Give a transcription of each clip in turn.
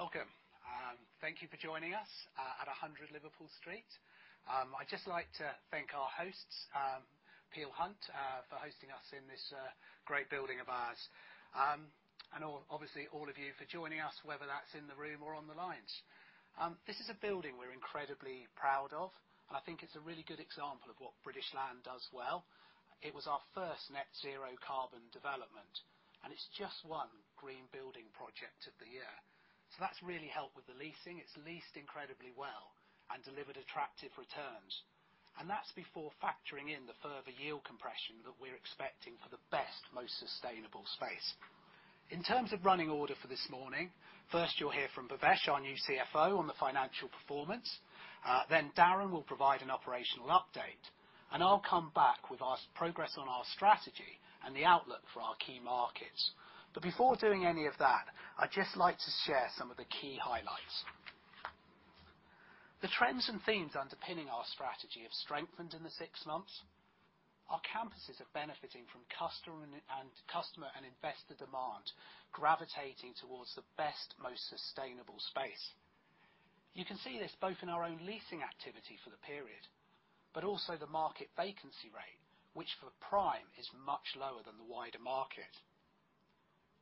Welcome. Thank you for joining us at 100 Liverpool Street. I'd just like to thank our hosts, Peel Hunt, for hosting us in this great building of ours. And all of you for joining us, whether that's in the room or on the lines. This is a building we're incredibly proud of. I think it's a really good example of what British Land does well. It was our first net zero carbon development, and it's just one Green Building Project of the Year. That's really helped with the leasing. It's leased incredibly well and delivered attractive returns, and that's before factoring in the further yield compression that we're expecting for the best, most sustainable space. In terms of running order for this morning, first you'll hear from Bhavesh, our new CFO, on the financial performance, then Darren will provide an operational update, and I'll come back with our progress on our strategy and the outlook for our key markets. Before doing any of that, I'd just like to share some of the key highlights. The trends and themes underpinning our strategy have strengthened in the six months. Our Campuses are benefiting from customer and investor demand gravitating towards the best, most sustainable space. You can see this both in our own leasing activity for the period, but also the market vacancy rate, which for prime is much lower than the wider market.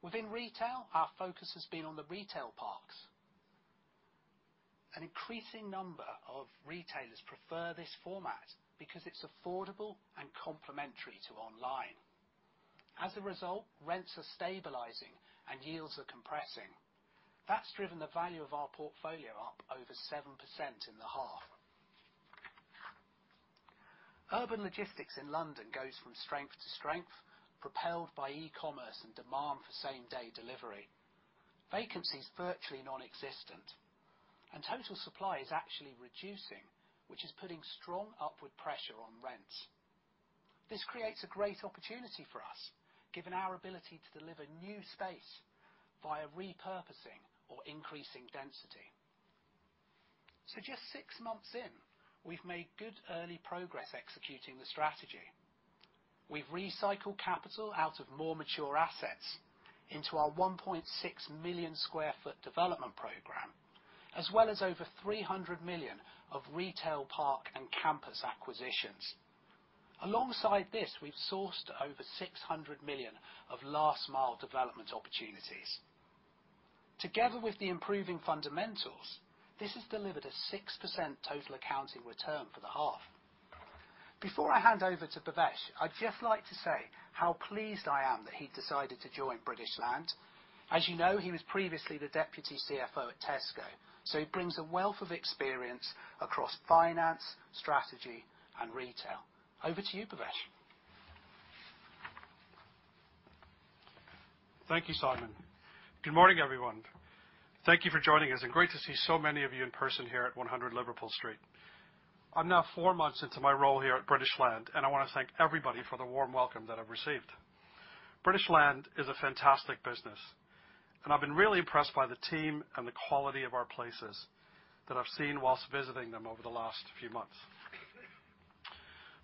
Within retail, our focus has been on the Retail Parks. An increasing number of retailers prefer this format because it's affordable and complementary to online. As a result, rents are stabilizing and yields are compressing. That's driven the value of our portfolio up over 7% in the half. Urban logistics in London goes from strength to strength, propelled by e-commerce and demand for same-day delivery. Vacancy is virtually nonexistent and total supply is actually reducing, which is putting strong upward pressure on rents. This creates a great opportunity for us, given our ability to deliver new space via repurposing or increasing density. Just six months in, we've made good early progress executing the strategy. We've recycled capital out of more mature assets into our 1.6 million sq ft developmentprogramme, as well as over 300 million of retail park and campus acquisitions. Alongside this, we've sourced over 600 million of last-mile development opportunities. Together with the improving fundamentals, this has delivered a 6% total accounting return for the half. Before I hand over to Bhavesh, I'd just like to say how pleased I am that he decided to join British Land. As you know, he was previously the Deputy CFO at Tesco, so he brings a wealth of experience across finance, strategy, and retail. Over to you, Bhavesh. Thank you, Simon. Good morning, everyone. Thank you for joining us and great to see so many of you in person here at 100 Liverpool Street. I'm now four months into my role here at British Land, and I wanna thank everybody for the warm welcome that I've received. British Land is a fantastic business, and I've been really impressed by the team and the quality of our places that I've seen while visiting them over the last few months.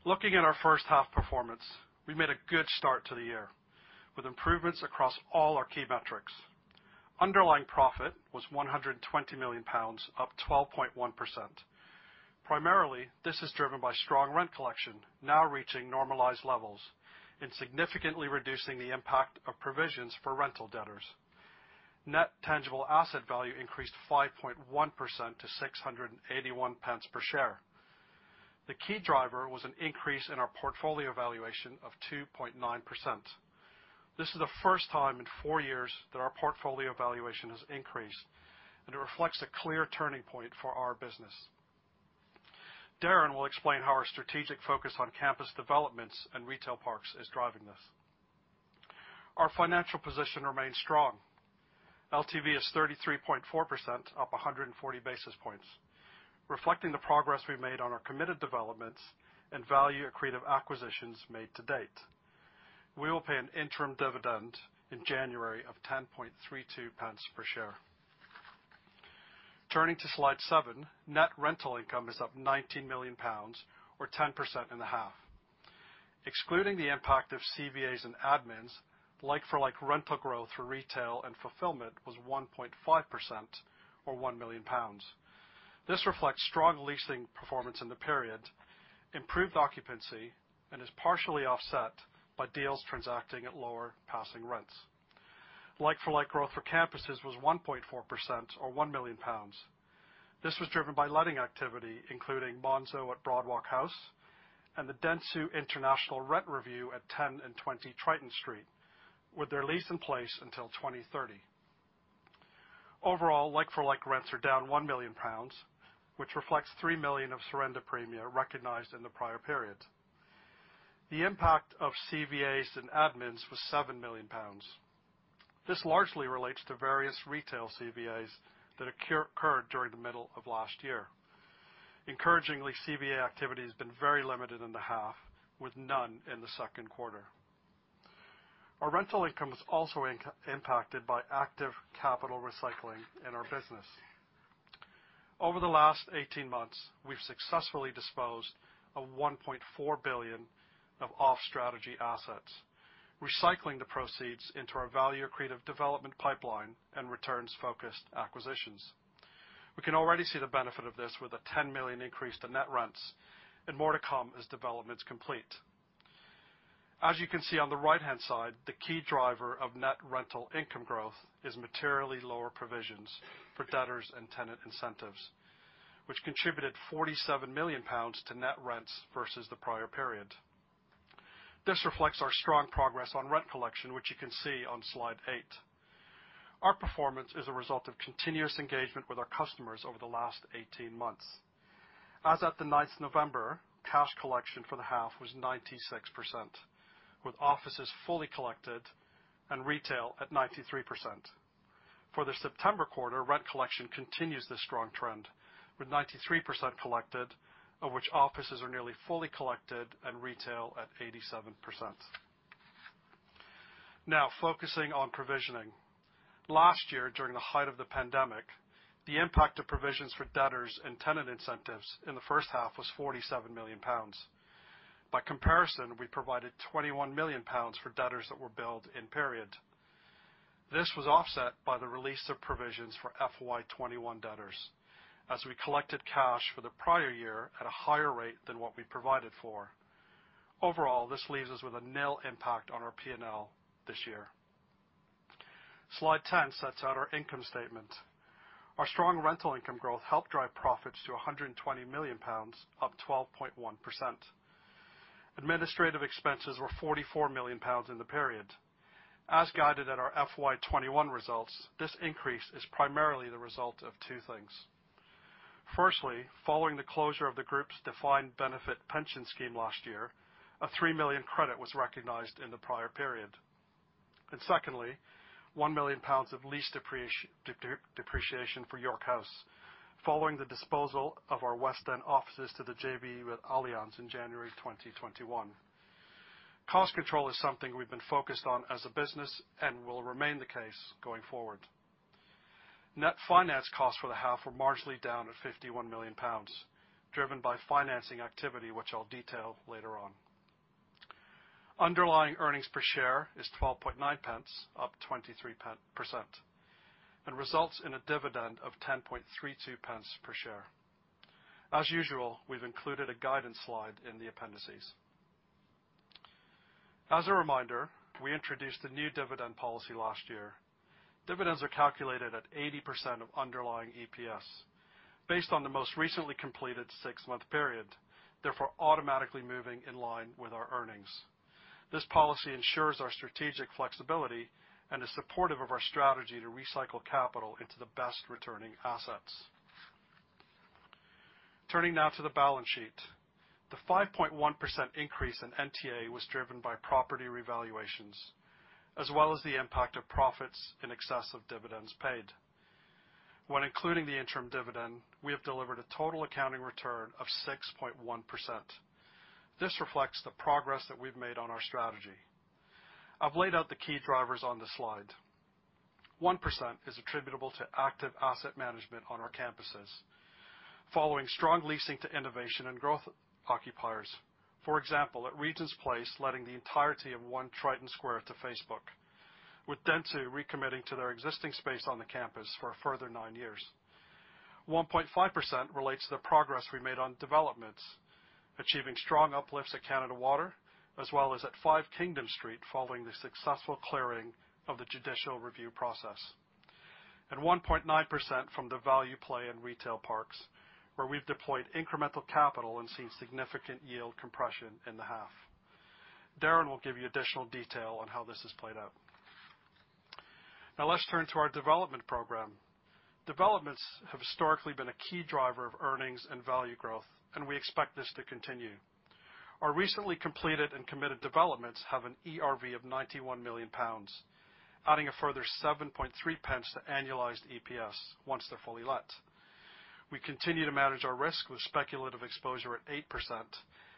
Looking at our first half performance, we made a good start to the year, with improvements across all our key metrics. Underlying profit was 120 million pounds, up 12.1%. Primarily, this is driven by strong rent collection, now reaching normalized levels and significantly reducing the impact of provisions for rental debtors. Net tangible asset value increased 5.1% to 6.81 per share. The key driver was an increase in our portfolio valuation of 2.9%. This is the first time in four years that our portfolio valuation has increased, and it reflects a clear turning point for our business. Darren will explain how our strategic focus on campus developments and Retail Parks is driving this. Our financial position remains strong. LTV is 33.4%, up 140 basis points, reflecting the progress we've made on our committed developments and value accretive acquisitions made to date. We will pay an interim dividend in January of 0.1032 pounds per share. Turning to Slide 7, net rental income is up 19 million pounds or 10% in the half. Excluding the impact of CVAs and admins, like-for-like rental growth for Retail and Fulfilment was 1.5% or 1 million pounds. This reflects strong leasing performance in the period, improved occupancy, and is partially offset by deals transacting at lower passing rents. Like-for-like growth for Campuses was 1.4% or 1 million pounds. This was driven by letting activity, including Monzo at Broadwalk House and the Dentsu International rent review at 10 and 20 Triton Street, with their lease in place until 2030. Overall, like-for-like rents are down 1 million pounds, which reflects 3 million of surrender premia recognized in the prior period. The impact of CVAs and admins was 7 million pounds. This largely relates to various retail CVAs that occurred during the middle of last year. Encouragingly, CVA activity has been very limited in the half, with none in the second quarter. Our rental income was also impacted by active capital recycling in our business. Over the last 18 months, we've successfully disposed of 1.4 billion of off-strategy assets, recycling the proceeds into our value-accretive development pipeline and returns-focused acquisitions. We can already see the benefit of this with a 10 million increase to net rents and more to come as developments complete. As you can see on the right-hand side, the key driver of net rental income growth is materially lower provisions for debtors and tenant incentives, which contributed 47 million pounds to net rents versus the prior period. This reflects our strong progress on rent collection, which you can see on Slide 8. Our performance is a result of continuous engagement with our customers over the last 18 months. As of the 9th November, cash collection for the half was 96%, with offices fully collected and retail at 93%. For the September quarter, rent collection continues this strong trend, with 93% collected, of which offices are nearly fully collected and retail at 87%. Now focusing on provisioning. Last year, during the height of the pandemic, the impact of provisions for debtors and tenant incentives in the first half was 47 million pounds. By comparison, we provided 21 million pounds for debtors that were billed in period. This was offset by the release of provisions for FY 2021 debtors, as we collected cash for the prior year at a higher rate than what we provided for. Overall, this leaves us with a nil impact on our P&L this year. Slide 10 sets out our income statement. Our strong rental income growth helped drive profits to 120 million pounds, up 12.1%. Administrative expenses were 44 million pounds in the period. As guided at our FY 2021 results, this increase is primarily the result of two things. Firstly, following the closure of the group's defined benefit pension scheme last year, a 3 million credit was recognized in the prior period. Secondly, 1 million pounds of lease depreciation for York House, following the disposal of our West End offices to the JV with Allianz in January 2021. Cost control is something we've been focused on as a business and will remain the case going forward. Net finance costs for the half were marginally down at 51 million pounds, driven by financing activity, which I'll detail later on. Underlying earnings per share is 0.129, up 23%, and results in a dividend of 0.1032 per share. As usual, we've included a guidance slide in the appendices. As a reminder, we introduced a new dividend policy last year. Dividends are calculated at 80% of underlying EPS based on the most recently completed six-month period, therefore automatically moving in line with our earnings. This policy ensures our strategic flexibility and is supportive of our strategy to recycle capital into the best returning assets. Turning now to the balance sheet. The 5.1% increase in NTA was driven by property revaluations as well as the impact of profits in excess of dividends paid. When including the interim dividend, we have delivered a total accounting return of 6.1%. This reflects the progress that we've made on our strategy. I've laid out the key drivers on the slide. 1% is attributable to active asset management on our Campuses, following strong leasing to innovation and growth occupiers. For example, at Regent's Place, letting the entirety of 1 Triton Square to Facebook, with Dentsu recommitting to their existing space on the campus for a further nine years. 1.5% relates to the progress we made on developments, achieving strong uplifts at Canada Water, as well as at 5 Kingdom Street, following the successful clearing of the judicial review process. 1.9% from the value play in Retail Parks, where we've deployed incremental capital and seen significant yield compression in the half. Darren will give you additional detail on how this has played out. Now let's turn to our developmentprogramme. Developments have historically been a key driver of earnings and value growth, and we expect this to continue. Our recently completed and committed developments have an ERV of 91 million pounds, adding a further 0.073 to annualized EPS once they're fully let. We continue to manage our risk with speculative exposure at 8%,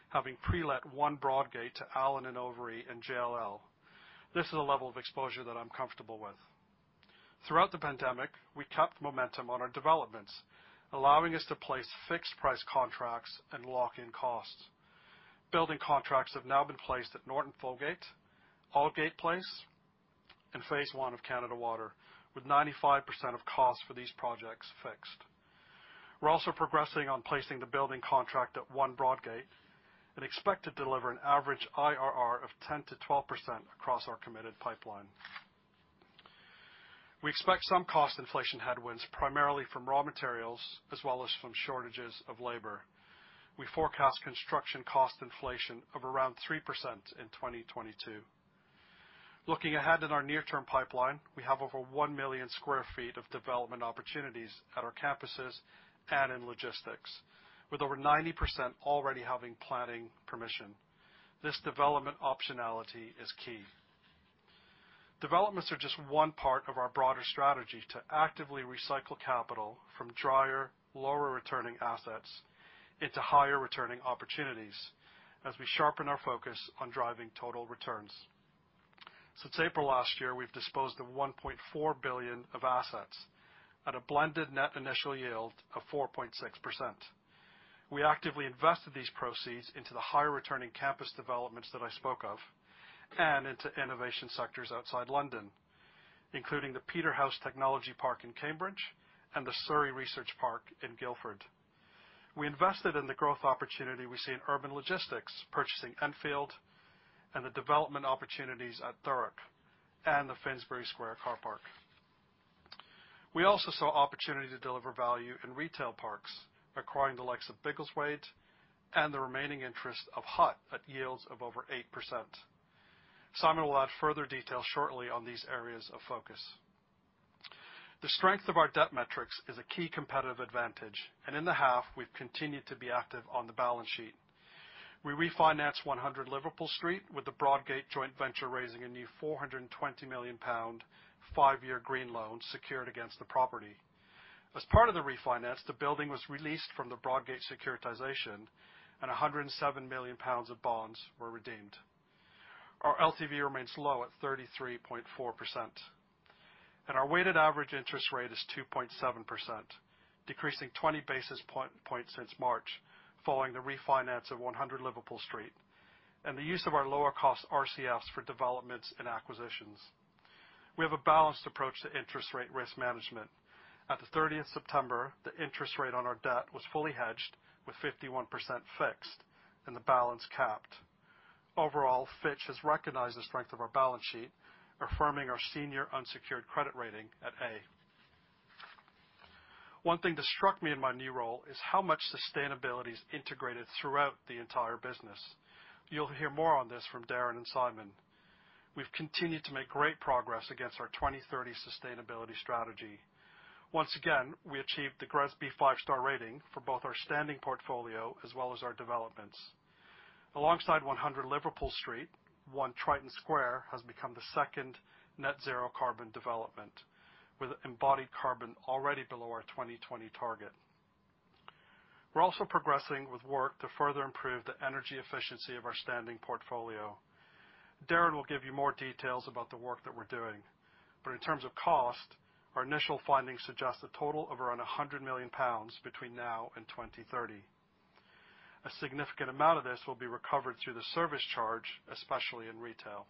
having pre-let 1 Broadgate to Allen & Overy and JLL. This is a level of exposure that I'm comfortable with. Throughout the pandemic, we kept momentum on our developments, allowing us to place fixed-price contracts and lock in costs. Building contracts have now been placed at Norton Folgate, Aldgate Place, and phase one of Canada Water, with 95% of costs for these projects fixed. We're also progressing on placing the building contract at 1 Broadgate and expect to deliver an average IRR of 10%-12% across our committed pipeline. We expect some cost inflation headwinds, primarily from raw materials as well as from shortages of labor. We forecast construction cost inflation of around 3% in 2022. Looking ahead at our near-term pipeline, we have over 1 million sq ft of development opportunities at our Campuses and in logistics, with over 90% already having planning permission. This development optionality is key. Developments are just one part of our broader strategy to actively recycle capital from drier, lower-returning assets into higher-returning opportunities as we sharpen our focus on driving total returns. Since April last year, we've disposed of 1.4 billion of assets at a blended net initial yield of 4.6%. We actively invested these proceeds into the higher returning campus developments that I spoke of and into innovation sectors outside London, including the Peterhouse Technology Park in Cambridge and the Surrey Research Park in Guildford. We invested in the growth opportunity we see in Urban Logistics, purchasing Enfield and the development opportunities at Thurrock and the Finsbury Square Car Park. We also saw opportunity to deliver value in Retail Parks, acquiring the likes of Biggleswade and the remaining interest of HUT at yields of over 8%. Simon will add further detail shortly on these areas of focus. The strength of our debt metrics is a key competitive advantage, and in the half, we've continued to be active on the balance sheet. We refinanced 100 Liverpool Street with the Broadgate joint venture, raising a new 420 million pound, five-year green loan secured against the property. As part of the refinance, the building was released from the Broadgate securitization, and 107 million pounds of bonds were redeemed. Our LTV remains low at 33.4%, and our weighted average interest rate is 2.7%, decreasing 20 basis points since March, following the refinance of 100 Liverpool Street, and the use of our lower cost RCF for developments and acquisitions. We have a balanced approach to interest rate risk management. At 30 September, the interest rate on our debt was fully hedged with 51% fixed and the balance capped. Overall, Fitch has recognized the strength of our balance sheet, affirming our senior unsecured credit rating at A. One thing that struck me in my new role is how much sustainability is integrated throughout the entire business. You'll hear more on this from Darren and Simon. We've continued to make great progress against our 2030 sustainability strategy. Once again, we achieved the GRESB 5 Star rating for both our standing portfolio as well as our developments. Alongside 100 Liverpool Street, 1 Triton Square has become the second net zero carbon development, with embodied carbon already below our 2020 target. We're also progressing with work to further improve the energy efficiency of our standing portfolio. Darren will give you more details about the work that we're doing. In terms of cost, our initial findings suggest a total of around 100 million pounds between now and 2030. A significant amount of this will be recovered through the service charge, especially in retail.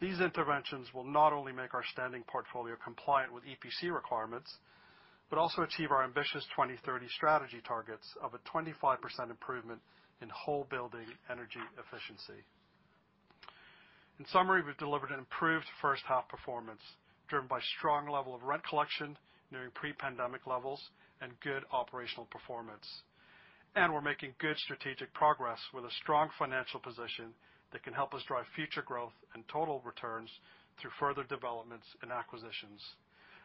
These interventions will not only make our standing portfolio compliant with EPC requirements, but also achieve our ambitious 2030 strategy targets of a 25% improvement in whole building energy efficiency. In summary, we've delivered an improved first half performance, driven by strong level of rent collection nearing pre-pandemic levels and good operational performance. We're making good strategic progress with a strong financial position that can help us drive future growth and total returns through further developments and acquisitions.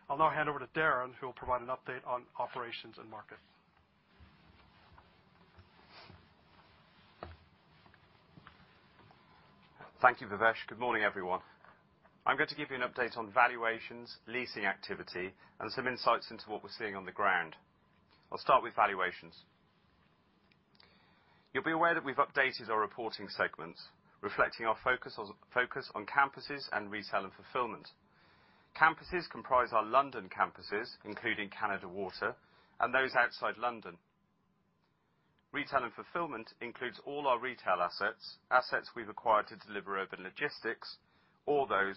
I'll now hand over to Darren, who will provide an update on operations and market. Thank you, Bhavesh. Good morning, everyone. I'm going to give you an update on valuations, leasing activity, and some insights into what we're seeing on the ground. I'll start with valuations. You'll be aware that we've updated our reporting segments, reflecting our focus on Campuses and Retail and Fulfilment. Campuses comprise our London Campuses, including Canada Water and those outside London. Retail and Fulfilment includes all our retail assets we've acquired to deliver Urban Logistics or those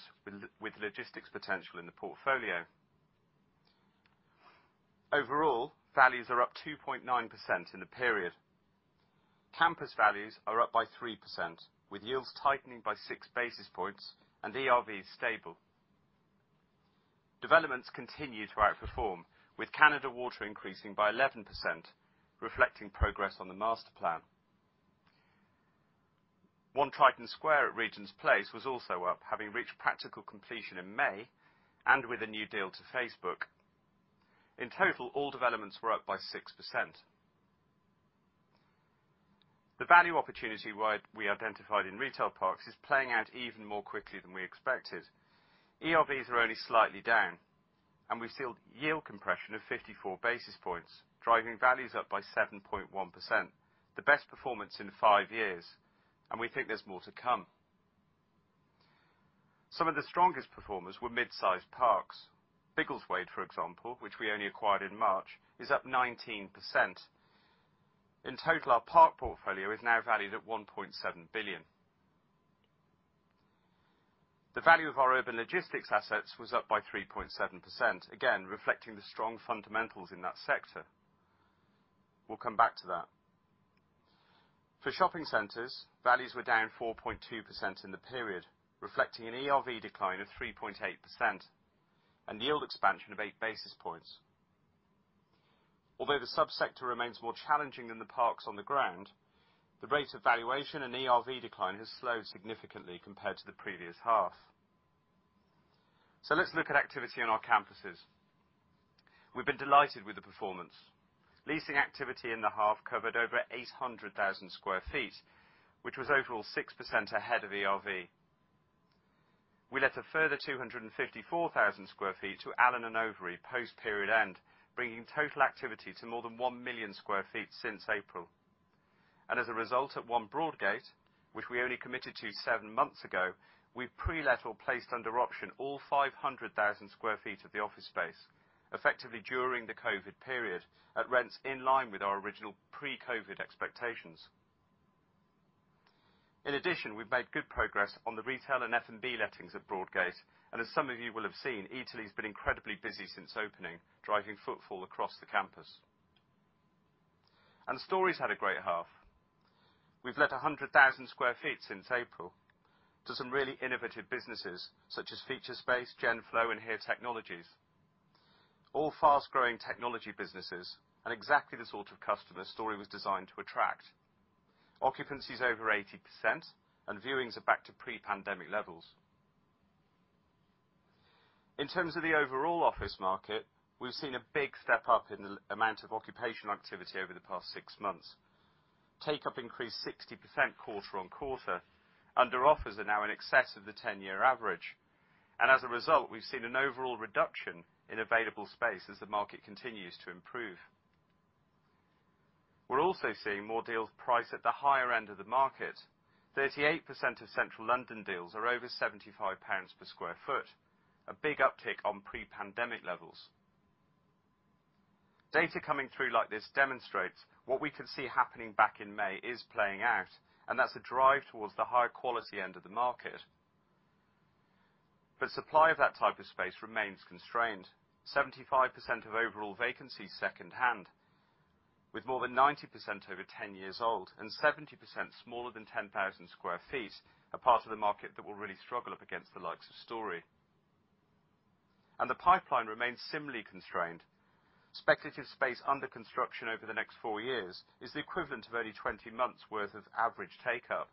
with logistics potential in the portfolio. Overall, values are up 2.9% in the period. Campus values are up by 3%, with yields tightening by 6 basis points and ERV stable. Developments continue to outperform, with Canada Water increasing by 11%, reflecting progress on the Master Plan. 1 Triton Square at Regent's Place was also up, having reached practical completion in May and with a new deal to Facebook. In total, all developments were up by 6%. The value opportunity we identified in Retail Parks is playing out even more quickly than we expected. ERVs are only slightly down, and we've seen yield compression of 54 basis points, driving values up by 7.1%, the best performance in five years, and we think there's more to come. Some of the strongest performers were mid-sized parks. Biggleswade, for example, which we only acquired in March, is up 19%. In total, our park portfolio is now valued at 1.7 billion. The value of our Urban Logistics assets was up by 3.7%, again, reflecting the strong fundamentals in that sector. We'll come back to that. For Shopping Centres, values were down 4.2% in the period, reflecting an ERV decline of 3.8% and yield expansion of 8 basis points. Although the sub-sector remains more challenging than the parks on the ground, the rate of valuation and ERV decline has slowed significantly compared to the previous half. Let's look at activity on our Campuses. We've been delighted with the performance. Leasing activity in the half covered over 800,000 sq ft, which was overall 6% ahead of ERV. We let a further 254,000 sq ft to Allen & Overy post period end, bringing total activity to more than 1 million sq ft since April. As a result at 1 Broadgate, which we only committed to seven months ago, we've pre-let or placed under option all 500,000 sq ft of the office space, effectively during the COVID period, at rents in line with our original pre-COVID expectations. In addition, we've made good progress on the retail and F&B lettings at Broadgate, and as some of you will have seen, Eataly's been incredibly busy since opening, driving footfall across the campus. Storey's had a great half. We've let 100,000 sq ft since April to some really innovative businesses such as Featurespace, Genflow, and HERE Technologies, all fast-growing technology businesses and exactly the sort of customer Storey was designed to attract. Occupancy is over 80%, and viewings are back to pre-pandemic levels. In terms of the overall office market, we've seen a big step up in the amount of occupation activity over the past six months. Take-up increased 60% quarter-on-quarter. Under offers are now in excess of the 10-year average. As a result, we've seen an overall reduction in available space as the market continues to improve. We're also seeing more deals priced at the higher end of the market. 38% of Central London deals are over GBP 75 per square foot, a big uptick on pre-pandemic levels. Data coming through like this demonstrates what we could see happening back in May is playing out, and that's a drive towards the higher quality end of the market. Supply of that type of space remains constrained. 75% of overall vacancy is second-hand, with more than 90% over 10 years old and 70% smaller than 10,000 sq ft, a part of the market that will really struggle up against the likes of Storey. The pipeline remains similarly constrained. Speculative space under construction over the next four years is the equivalent of only 20 months' worth of average take-up,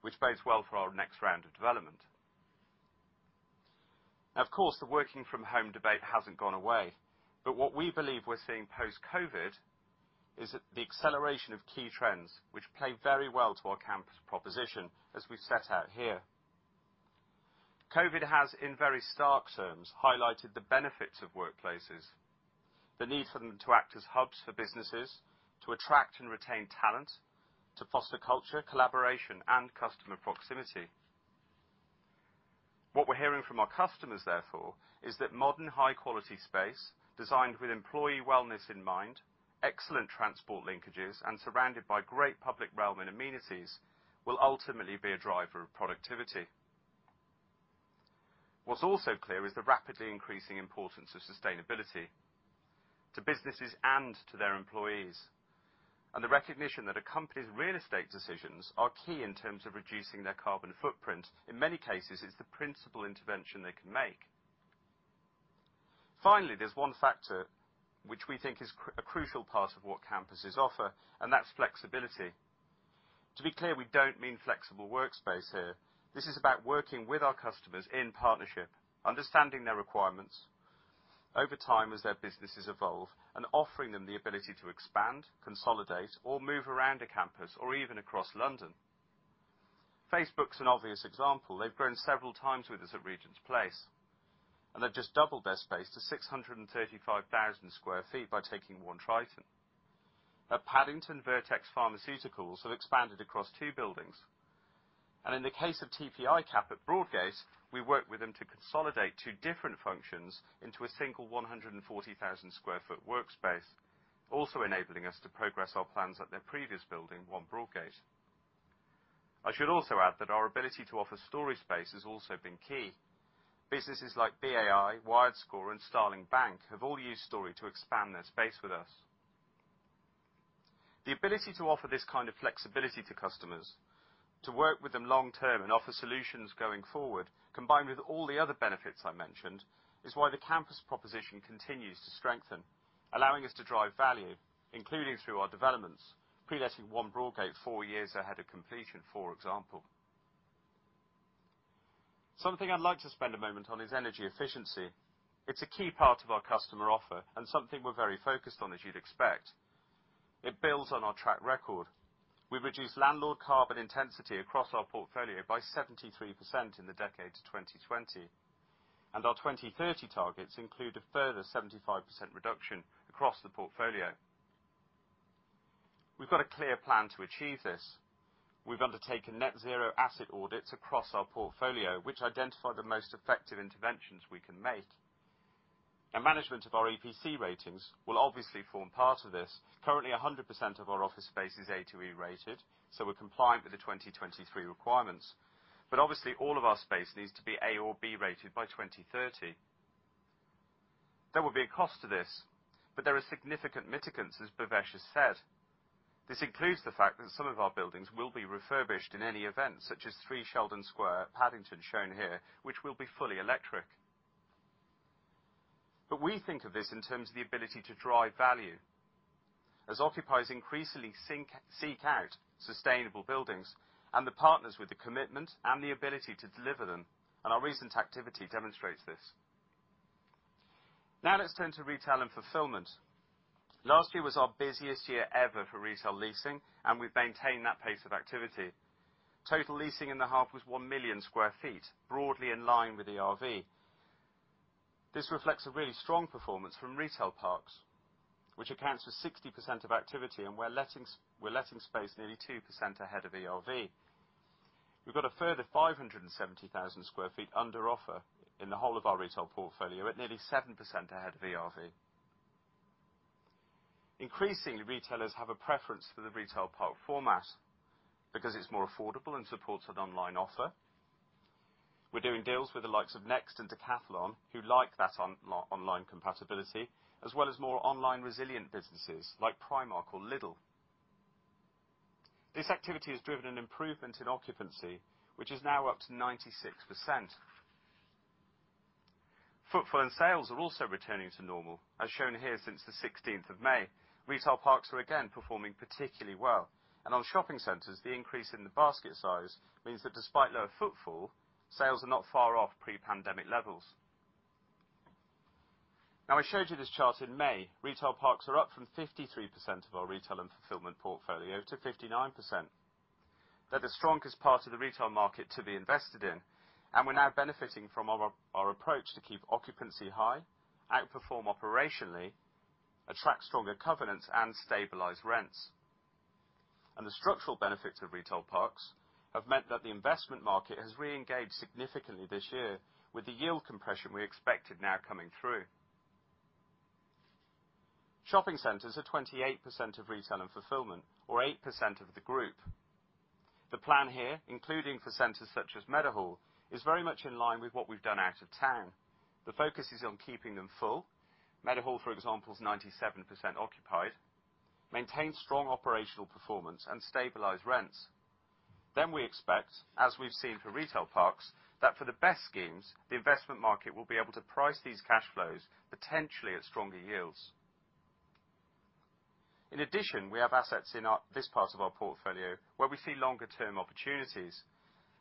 which bodes well for our next round of development. Now, of course, the working from home debate hasn't gone away, but what we believe we're seeing post-Covid is the acceleration of key trends which play very well to our campus proposition as we set out here. Covid has, in very stark terms, highlighted the benefits of workplaces, the need for them to act as hubs for businesses, to attract and retain talent, to foster culture, collaboration, and customer proximity. What we're hearing from our customers, therefore, is that modern, high-quality space, designed with employee wellness in mind, excellent transport linkages, and surrounded by great public realm and amenities, will ultimately be a driver of productivity. What's also clear is the rapidly increasing importance of sustainability to businesses and to their employees, and the recognition that a company's real estate decisions are key in terms of reducing their carbon footprint. In many cases, it's the principal intervention they can make. Finally, there's one factor which we think is a crucial part of what Campuses offer, and that's flexibility. To be clear, we don't mean flexible workspace here. This is about working with our customers in partnership, understanding their requirements over time as their businesses evolve and offering them the ability to expand, consolidate, or move around a campus or even across London. Facebook's an obvious example. They've grown several times with us at Regent's Place, and they've just doubled their space to 635,000 sq ft by taking 1 Triton. At Paddington, Vertex Pharmaceuticals have expanded across two buildings. In the case of TP ICAP at Broadgate, we worked with them to consolidate two different functions into a single 140,000 sq ft workspace, also enabling us to progress our plans at their previous building, 1 Broadgate. I should also add that our ability to offer Storey space has also been key. Businesses like BAI, WiredScore, and Starling Bank have all used Storey to expand their space with us. The ability to offer this kind of flexibility to customers, to work with them long term and offer solutions going forward, combined with all the other benefits I mentioned, is why the campus proposition continues to strengthen, allowing us to drive value, including through our developments, pre-letting 1 Broadgate four years ahead of completion, for example. Something I'd like to spend a moment on is energy efficiency. It's a key part of our customer offer and something we're very focused on, as you'd expect. It builds on our track record. We've reduced landlord carbon intensity across our portfolio by 73% in the decade to 2020, and our 2030 targets include a further 75% reduction across the portfolio. We've got a clear plan to achieve this. We've undertaken net zero asset audits across our portfolio, which identify the most effective interventions we can make. Management of our EPC ratings will obviously form part of this. Currently, 100% of our office space is A to E rated, so we're compliant with the 2023 requirements. Obviously, all of our space needs to be A or B-rated by 2030. There will be a cost to this, but there are significant mitigants, as Bhavesh has said. This includes the fact that some of our buildings will be refurbished in any event, such as 3 Sheldon Square at Paddington, shown here, which will be fully electric. We think of this in terms of the ability to drive value, as occupiers increasingly seek out sustainable buildings and the partners with the commitment and the ability to deliver them, and our recent activity demonstrates this. Now let's turn to Retail and Fulfilment. Last year was our busiest year ever for retail leasing, and we've maintained that pace of activity. Total leasing in the half was 1 million sq ft, broadly in line with the ERV. This reflects a really strong performance from Retail Parks, which accounts for 60% of activity, and we're letting space nearly 2% ahead of ERV. We've got a further 570,000 sq ft under offer in the whole of our retail portfolio at nearly 7% ahead of ERV. Increasingly, retailers have a preference for the retail park format because it's more affordable and supports an online offer. We're doing deals with the likes of Next and Decathlon who like that online compatibility, as well as more online resilient businesses like Primark or Lidl. This activity has driven an improvement in occupancy, which is now up to 96%. Footfall and sales are also returning to normal, as shown here since the 16th of May. Retail parks are again performing particularly well. On Shopping Centres, the increase in the basket size means that despite lower footfall, sales are not far off pre-pandemic levels. Now, I showed you this chart in May. Retail Parks are up from 53% of our Retail and Fulfilment portfolio to 59%. They're the strongest part of the retail market to be invested in, and we're now benefiting from our approach to keep occupancy high, outperform operationally, attract stronger covenants, and stabilize rents. The structural benefits of Retail Parks have meant that the investment market has re-engaged significantly this year with the yield compression we expected now coming through. Shopping Centres are 28% of Retail and Fulfilment or 8% of the group. The plan here, including for centres such as Meadowhall, is very much in line with what we've done out of town. The focus is on keeping them full. Meadowhall, for example, is 97% occupied, maintains strong operational performance and stabilized rents. We expect, as we've seen for Retail Parks, that for the best schemes, the investment market will be able to price these cash flows potentially at stronger yields. In addition, we have assets in this part of our portfolio where we see longer term opportunities.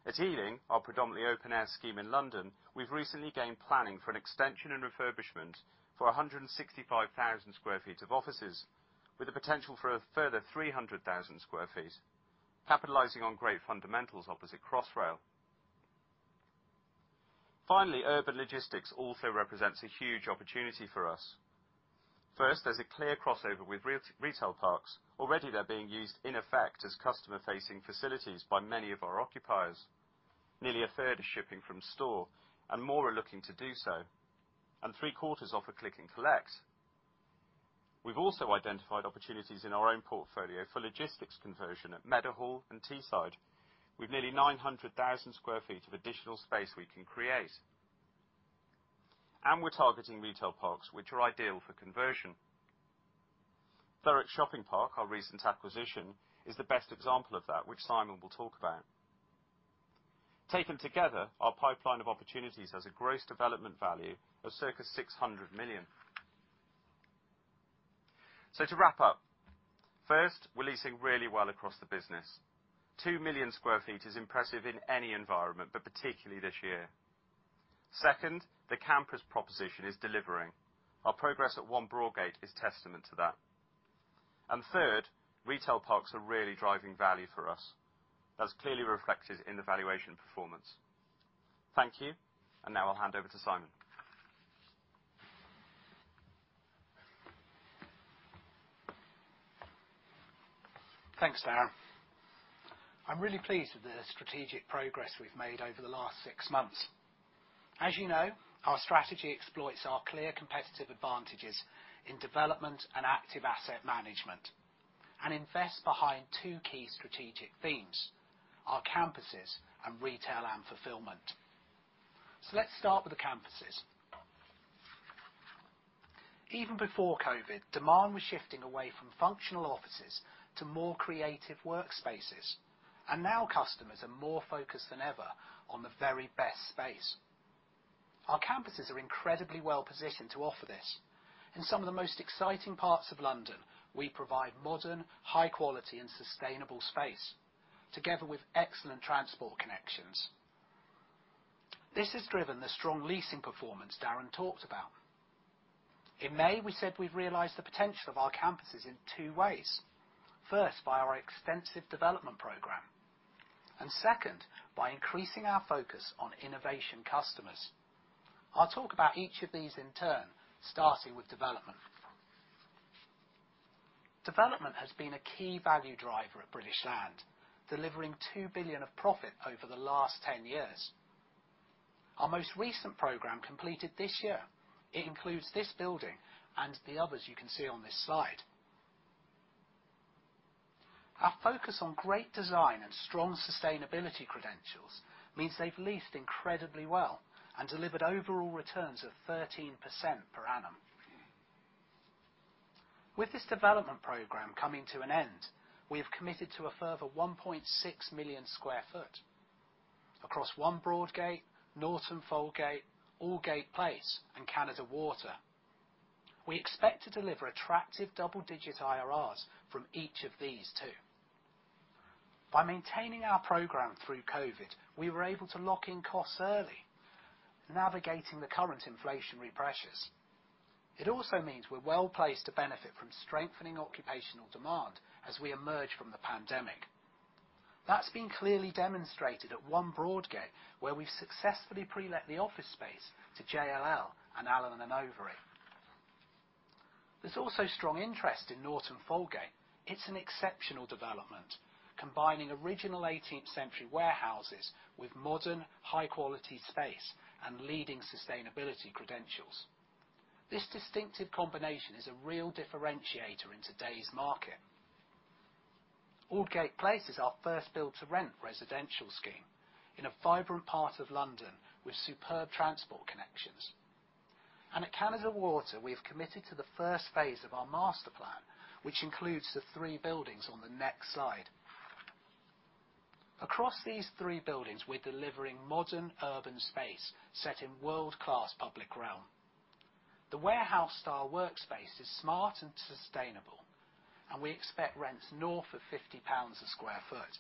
At Ealing, our predominantly open-air scheme in London, we've recently gained planning for an extension and refurbishment for 165,000 sq ft of offices with the potential for a further 300,000 sq ft, capitalizing on great fundamentals opposite Crossrail. Finally, Urban Logistics also represents a huge opportunity for us. First, there's a clear crossover with Retail Parks. Already, they're being used in effect as customer-facing facilities by many of our occupiers. Nearly a third are shipping from store, and more are looking to do so. 3/4 offer click and collect. We've also identified opportunities in our own portfolio for logistics conversion at Meadowhall and Teesside with nearly 900,000 sq ft of additional space we can create. We're targeting Retail Parks which are ideal for conversion. Thurrock Shopping Park, our recent acquisition, is the best example of that which Simon will talk about. Taken together, our pipeline of opportunities has a gross development value of circa 600 million. To wrap up. First, we're leasing really well across the business. 2 million sq ft is impressive in any environment, but particularly this year. Second, the campus proposition is delivering. Our progress at 1 Broadgate is testament to that. Third, Retail Parks are really driving value for us. That's clearly reflected in the valuation performance. Thank you. Now I'll hand over to Simon. Thanks, Darren. I'm really pleased with the strategic progress we've made over the last six months. As you know, our strategy exploits our clear competitive advantages in development and active asset management and invest behind two key strategic themes: our Campuses and Retail and Fulfilment. Let's start with the Campuses. Even before COVID, demand was shifting away from functional offices to more creative workspaces. Now customers are more focused than ever on the very best space. Our Campuses are incredibly well positioned to offer this. In some of the most exciting parts of London, we provide modern, high-quality, and sustainable space, together with excellent transport connections. This has driven the strong leasing performance Darren talked about. In May, we said we've realized the potential of our Campuses in two ways. First, by our extensive development programme, and second, by increasing our focus on innovative customers. I'll talk about each of these in turn, starting with development. Development has been a key value driver at British Land, delivering 2 billion of profit over the last 10 years. Our most recent programme completed this year. It includes this building and the others you can see on this slide. Our focus on great design and strong sustainability credentials means they've leased incredibly well and delivered overall returns of 13% per annum. With this development programme coming to an end, we have committed to a further 1.6 million sq ft across 1 Broadgate, Norton Folgate, Aldgate Place, and Canada Water. We expect to deliver attractive double-digit IRRs from each of these, too. By maintaining our programme through COVID, we were able to lock in costs early, navigating the current inflationary pressures. It also means we're well placed to benefit from strengthening occupational demand as we emerge from the pandemic. That's been clearly demonstrated at 1 Broadgate, where we've successfully pre-let the office space to JLL and Allen & Overy. There's also strong interest in Norton Folgate. It's an exceptional development, combining original 18th-century warehouses with modern, high-quality space and leading sustainability credentials. This distinctive combination is a real differentiator in today's market. Aldgate Place is our first build-to-rent residential scheme in a vibrant part of London with superb transport connections. At Canada Water, we have committed to the first phase of our master plan, which includes the three buildings on the next slide. Across these three buildings, we're delivering modern urban space set in world-class public realm. The warehouse-style workspace is smart and sustainable, and we expect rents north of 50 pounds a square foot.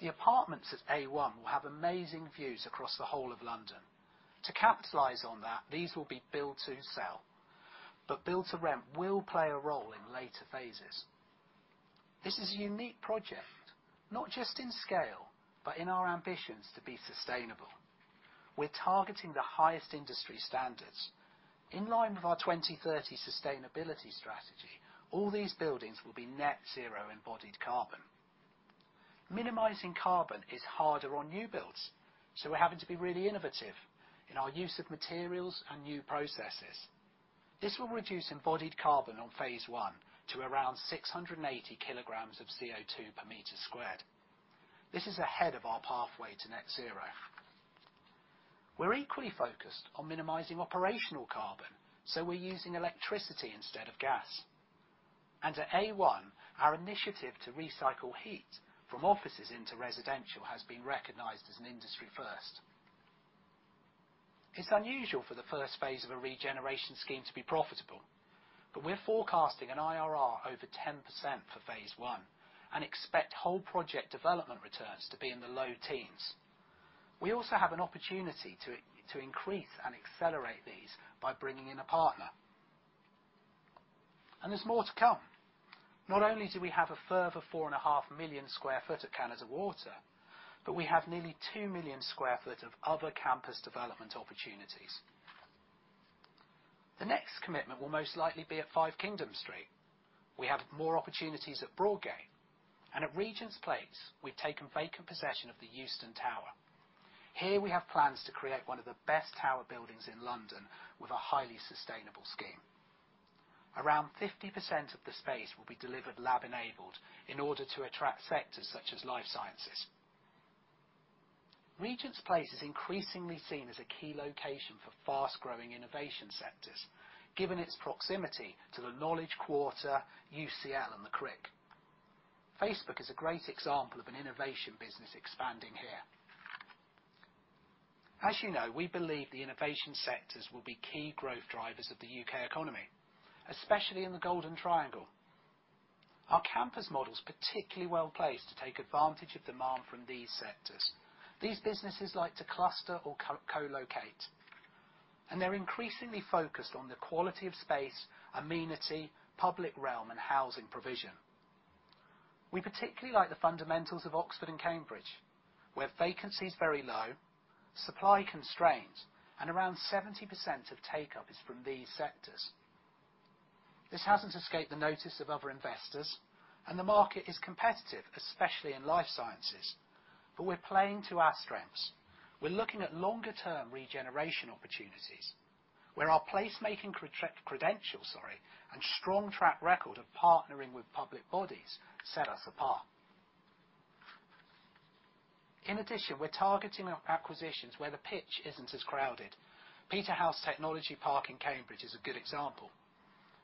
The apartments at A1 will have amazing views across the whole of London. To capitalize on that, these will be build to sell, but build to rent will play a role in later phases. This is a unique project, not just in scale, but in our ambitions to be sustainable. We're targeting the highest industry standards. In line with our 2030 sustainability strategy, all these buildings will be net zero embodied carbon. Minimizing carbon is harder on new builds, so we're having to be really innovative in our use of materials and new processes. This will reduce embodied carbon on phase one to around 680 kg of CO2 per metre square. This is ahead of our pathway to net zero. We're equally focused on minimizing operational carbon, so we're using electricity instead of gas. At A1, our initiative to recycle heat from offices into residential has been recognized as an industry first. It's unusual for the first phase of a regeneration scheme to be profitable, but we're forecasting an IRR over 10% for phase one and expect whole project development returns to be in the low teens. We also have an opportunity to increase and accelerate these by bringing in a partner. There's more to come. Not only do we have a further 4.5 million sq ft at Canada Water, but we have nearly 2 million sq ft of other campus development opportunities. The next commitment will most likely be at 5 Kingdom Street. We have more opportunities at Broadgate. At Regent's Place, we've taken vacant possession of the Euston Tower. Here we have plans to create one of the best tower buildings in London with a highly sustainable scheme. Around 50% of the space will be delivered lab-enabled in order to attract sectors such as life sciences. Regent's Place is increasingly seen as a key location for fast-growing innovation sectors, given its proximity to the Knowledge Quarter, UCL, and The Crick. Facebook is a great example of an innovation business expanding here. As you know, we believe the innovation sectors will be key growth drivers of the U.K. economy, especially in the Golden Triangle. Our campus model's particularly well-placed to take advantage of demand from these sectors. These businesses like to cluster or co-collocate, and they're increasingly focused on the quality of space, amenity, public realm, and housing provision. We particularly like the fundamentals of Oxford and Cambridge, where vacancy is very low, supply constrained, and around 70% of take-up is from these sectors. This hasn't escaped the notice of other investors, and the market is competitive, especially in life sciences. We're playing to our strengths. We're looking at longer-term regeneration opportunities where our placemaking credentials and strong track record of partnering with public bodies set us apart. In addition, we're targeting our acquisitions where the pitch isn't as crowded. Peterhouse Technology Park in Cambridge is a good example.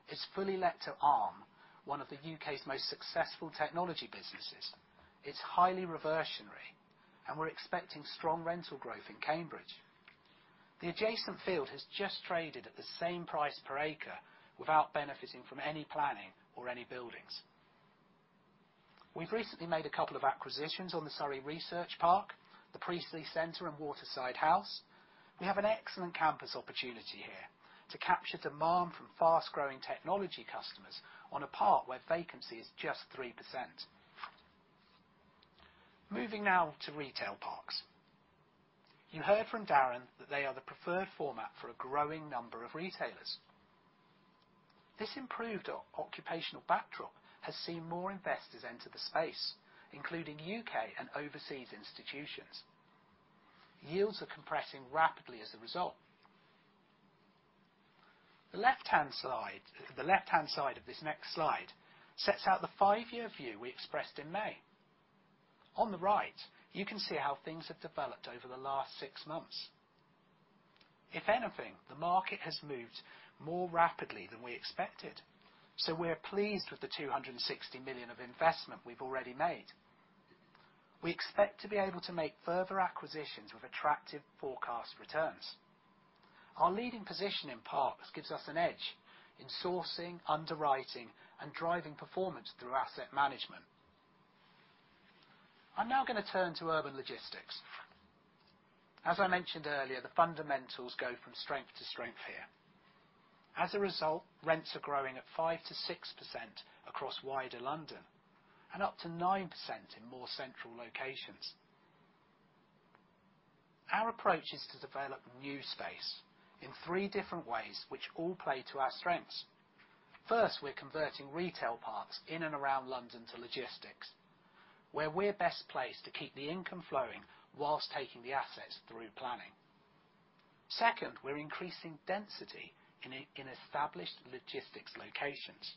It's fully let to Arm, one of the U.K.'s most successful technology businesses. It's highly reversionary, and we're expecting strong rental growth in Cambridge. The adjacent field has just traded at the same price per acre without benefiting from any planning or any buildings. We've recently made a couple of acquisitions on the Surrey Research Park, the Priestley Building and Waterside House. We have an excellent campus opportunity here to capture demand from fast-growing technology customers on a park where vacancy is just 3%. Moving now to Retail Parks. You heard from Darren that they are the preferred format for a growing number of retailers. This improved occupational backdrop has seen more investors enter the space, including U.K. and overseas institutions. Yields are compressing rapidly as a result. The left-hand slide, the left-hand side of this next slide sets out the five-year view we expressed in May. On the right, you can see how things have developed over the last six months. If anything, the market has moved more rapidly than we expected, so we're pleased with the 260 million of investment we've already made. We expect to be able to make further acquisitions with attractive forecast returns. Our leading position in parks gives us an edge in sourcing, underwriting, and driving performance through asset management. I'm now gonna turn to Urban Logistics. As I mentioned earlier, the fundamentals go from strength to strength here. As a result, rents are growing at 5%-6% across wider London, and up to 9% in more central locations. Our approach is to develop new space in three different ways, which all play to our strengths. First, we're converting retail parks in and around London to logistics, where we're best placed to keep the income flowing whilst taking the assets through planning. Second, we're increasing density in an established logistics locations.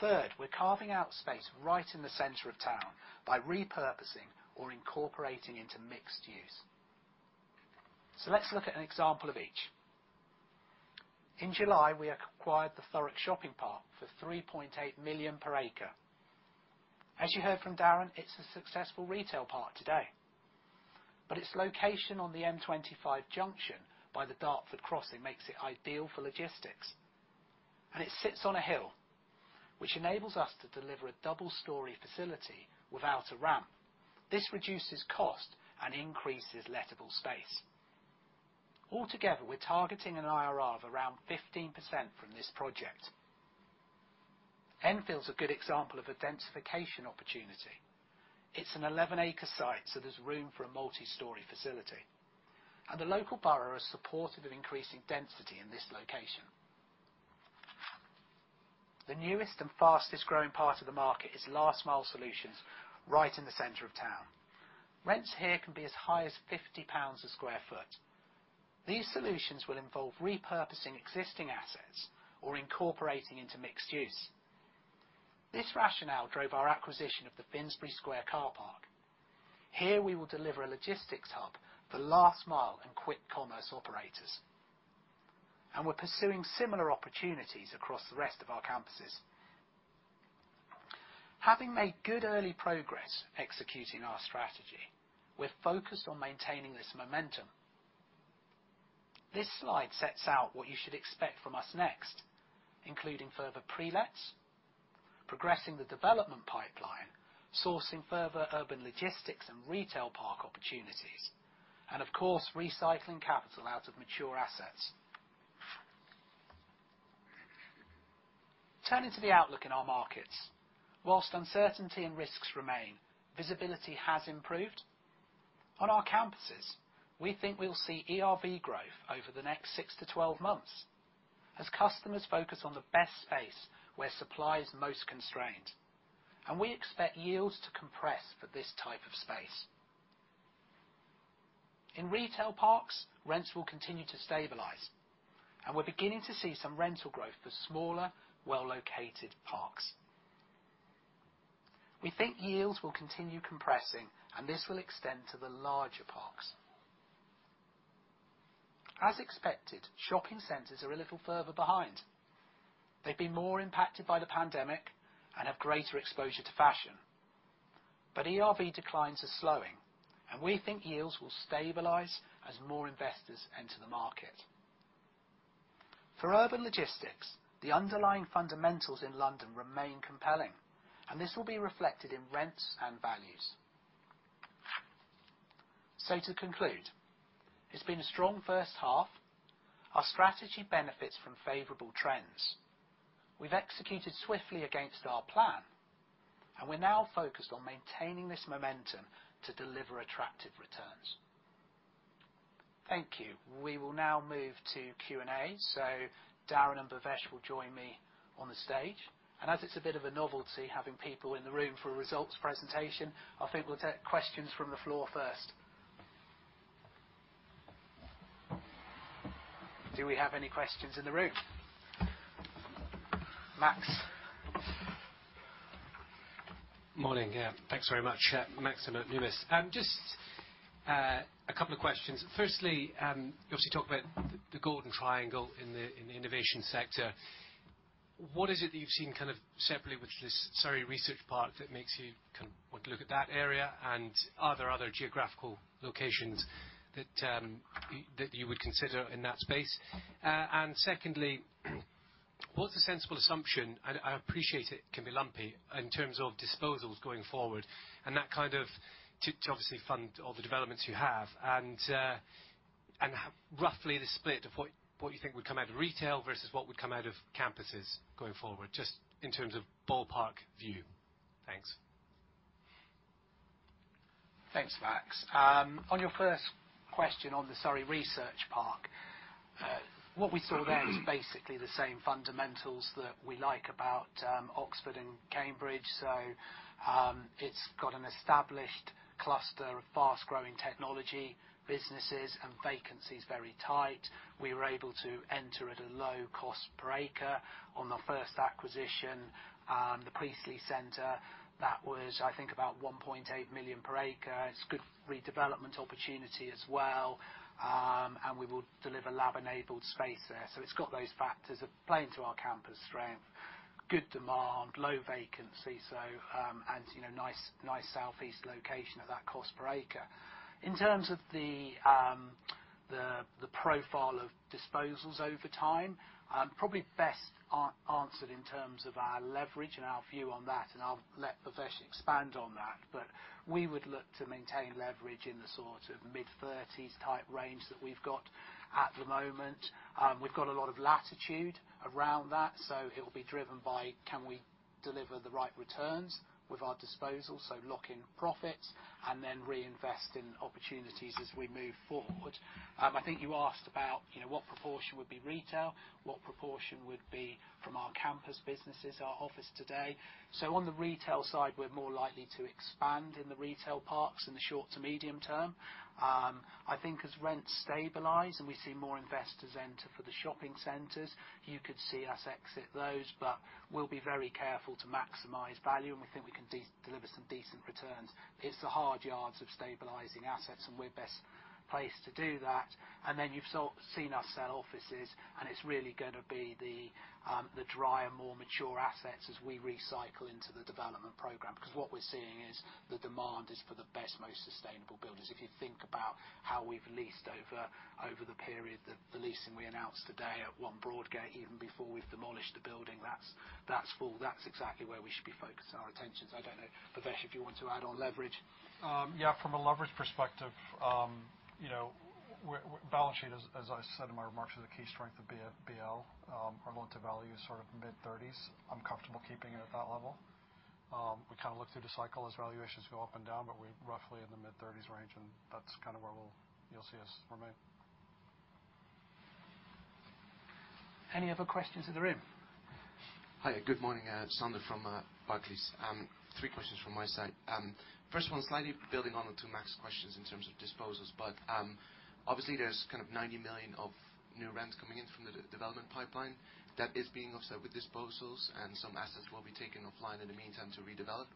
Third, we're carving out space right in the centre of town by repurposing or incorporating into mixed use. Let's look at an example of each. In July, we acquired the Thurrock Shopping Park for 3.8 million per acre. As you heard from Darren, it's a successful retail park today, but its location on the M25 junction by the Dartford Crossing makes it ideal for logistics. And it sits on a hill, which enables us to deliver a double-story facility without a ramp. This reduces cost and increases lettable space. Altogether, we're targeting an IRR of around 15% from this project. Enfield's a good example of a densification opportunity. It's an 11-acre site, so there's room for a multi-story facility, and the local borough is supportive of increasing density in this location. The newest and fastest-growing part of the market is last-mile solutions right in the centre of town. Rents here can be as high as 50 pounds a square foot. These solutions will involve repurposing existing assets or incorporating into mixed use. This rationale drove our acquisition of the Finsbury Square Car Park. Here, we will deliver a logistics hub for last mile and quick commerce operators. We're pursuing similar opportunities across the rest of our campuses. Having made good early progress executing our strategy, we're focused on maintaining this momentum. This slide sets out what you should expect from us next, including further pre-lets, progressing the development pipeline, sourcing further urban logistics and retail park opportunities, and of course, recycling capital out of mature assets. Turning to the outlook in our markets. While uncertainty and risks remain, visibility has improved. On our Campuses, we think we'll see ERV growth over the next six to 12 months as customers focus on the best space where supply is most constrained. We expect yields to compress for this type of space. In Retail Parks, rents will continue to stabilize, and we're beginning to see some rental growth for smaller, well-located parks. We think yields will continue compressing, and this will extend to the larger parks. As expected, Shopping Centres are a little further behind. They've been more impacted by the pandemic and have greater exposure to fashion. ERV declines are slowing, and we think yields will stabilize as more investors enter the market. For Urban Logistics, the underlying fundamentals in London remain compelling, and this will be reflected in rents and values. To conclude, it's been a strong first half. Our strategy benefits from favorable trends. We've executed swiftly against our plan, and we're now focused on maintaining this momentum to deliver attractive returns. Thank you. We will now move to Q&A. Darren and Bhavesh will join me on the stage. As it's a bit of a novelty having people in the room for a results presentation, I think we'll take questions from the floor first. Do we have any questions in the room? Max? Morning. Yeah. Thanks very much. Max from Numis. Just a couple of questions. Firstly, you obviously talk about the Golden Triangle in the innovation sector. What is it that you've seen kind of separately with this Surrey Research Park that makes you kind of want to look at that area, and are there other geographical locations that you would consider in that space? Secondly, what's a sensible assumption, and I appreciate it can be lumpy, in terms of disposals going forward, and that kind of to obviously fund all the developments you have. Roughly the split of what you think would come out of retail versus what would come out of Campuses going forward, just in terms of ballpark view? Thanks. Thanks, Max. On your first question on the Surrey Research Park, what we saw there is basically the same fundamentals that we like about Oxford and Cambridge. It's got an established cluster of fast-growing technology businesses and vacancy is very tight. We were able to enter at a low cost per acre on the first acquisition, The Priestley Building. That was, I think, about 1.8 million per acre. It's good redevelopment opportunity as well, and we will deliver lab-enabled space there. It's got those factors that play into our campus strength, good demand, low vacancy, and, you know, nice southeast location at that cost per acre. In terms of the profile of disposals over time, probably best answered in terms of our leverage and our view on that, and I'll let Bhavesh expand on that. We would look to maintain leverage in the sort of mid-thirties type range that we've got at the moment. We've got a lot of latitude around that, so it'll be driven by can we deliver the right returns with our disposals, so lock in profits, and then reinvest in opportunities as we move forward. I think you asked about, you know, what proportion would be retail? What proportion would be from our Campus businesses, our office today? On the retail side, we're more likely to expand in the Retail Parks in the short to medium term. I think as rents stabilize and we see more investors enter for the Shopping Centres, you could see us exit those. But we'll be very careful to maximize value, and we think we can deliver some decent returns. It's the hard yards of stabilizing assets, and we're best placed to do that. Then you've sort of seen us sell offices, and it's really gonna be the drier, more mature assets as we recycle into the development programme. 'Cause what we're seeing is the demand is for the best, most sustainable buildings. If you think about how we've leased over the period, the leasing we announced today at 1 Broadgate, even before we've demolished the building, that's full. That's exactly where we should be focusing our attentions. I don't know, Bhavesh, if you want to add on leverage? From a leverage perspective, you know, our balance sheet is, as I said in my remarks, a key strength of BL. Our loan-to-value is sort of mid-30s. I'm comfortable keeping it at that level. We kind of look through the cycle as valuations go up and down, but we're roughly in the mid-30s range, and that's kind of where you'll see us remain. Any other questions in the room? Hiya. Good morning. Sander from Barclays. Three questions from my side. First one, slightly building on to Max's questions in terms of disposals, but, obviously there's kind of 90 million of new rents coming in from the re-development pipeline that is being offset with disposals and some assets will be taken offline in the meantime to redevelop.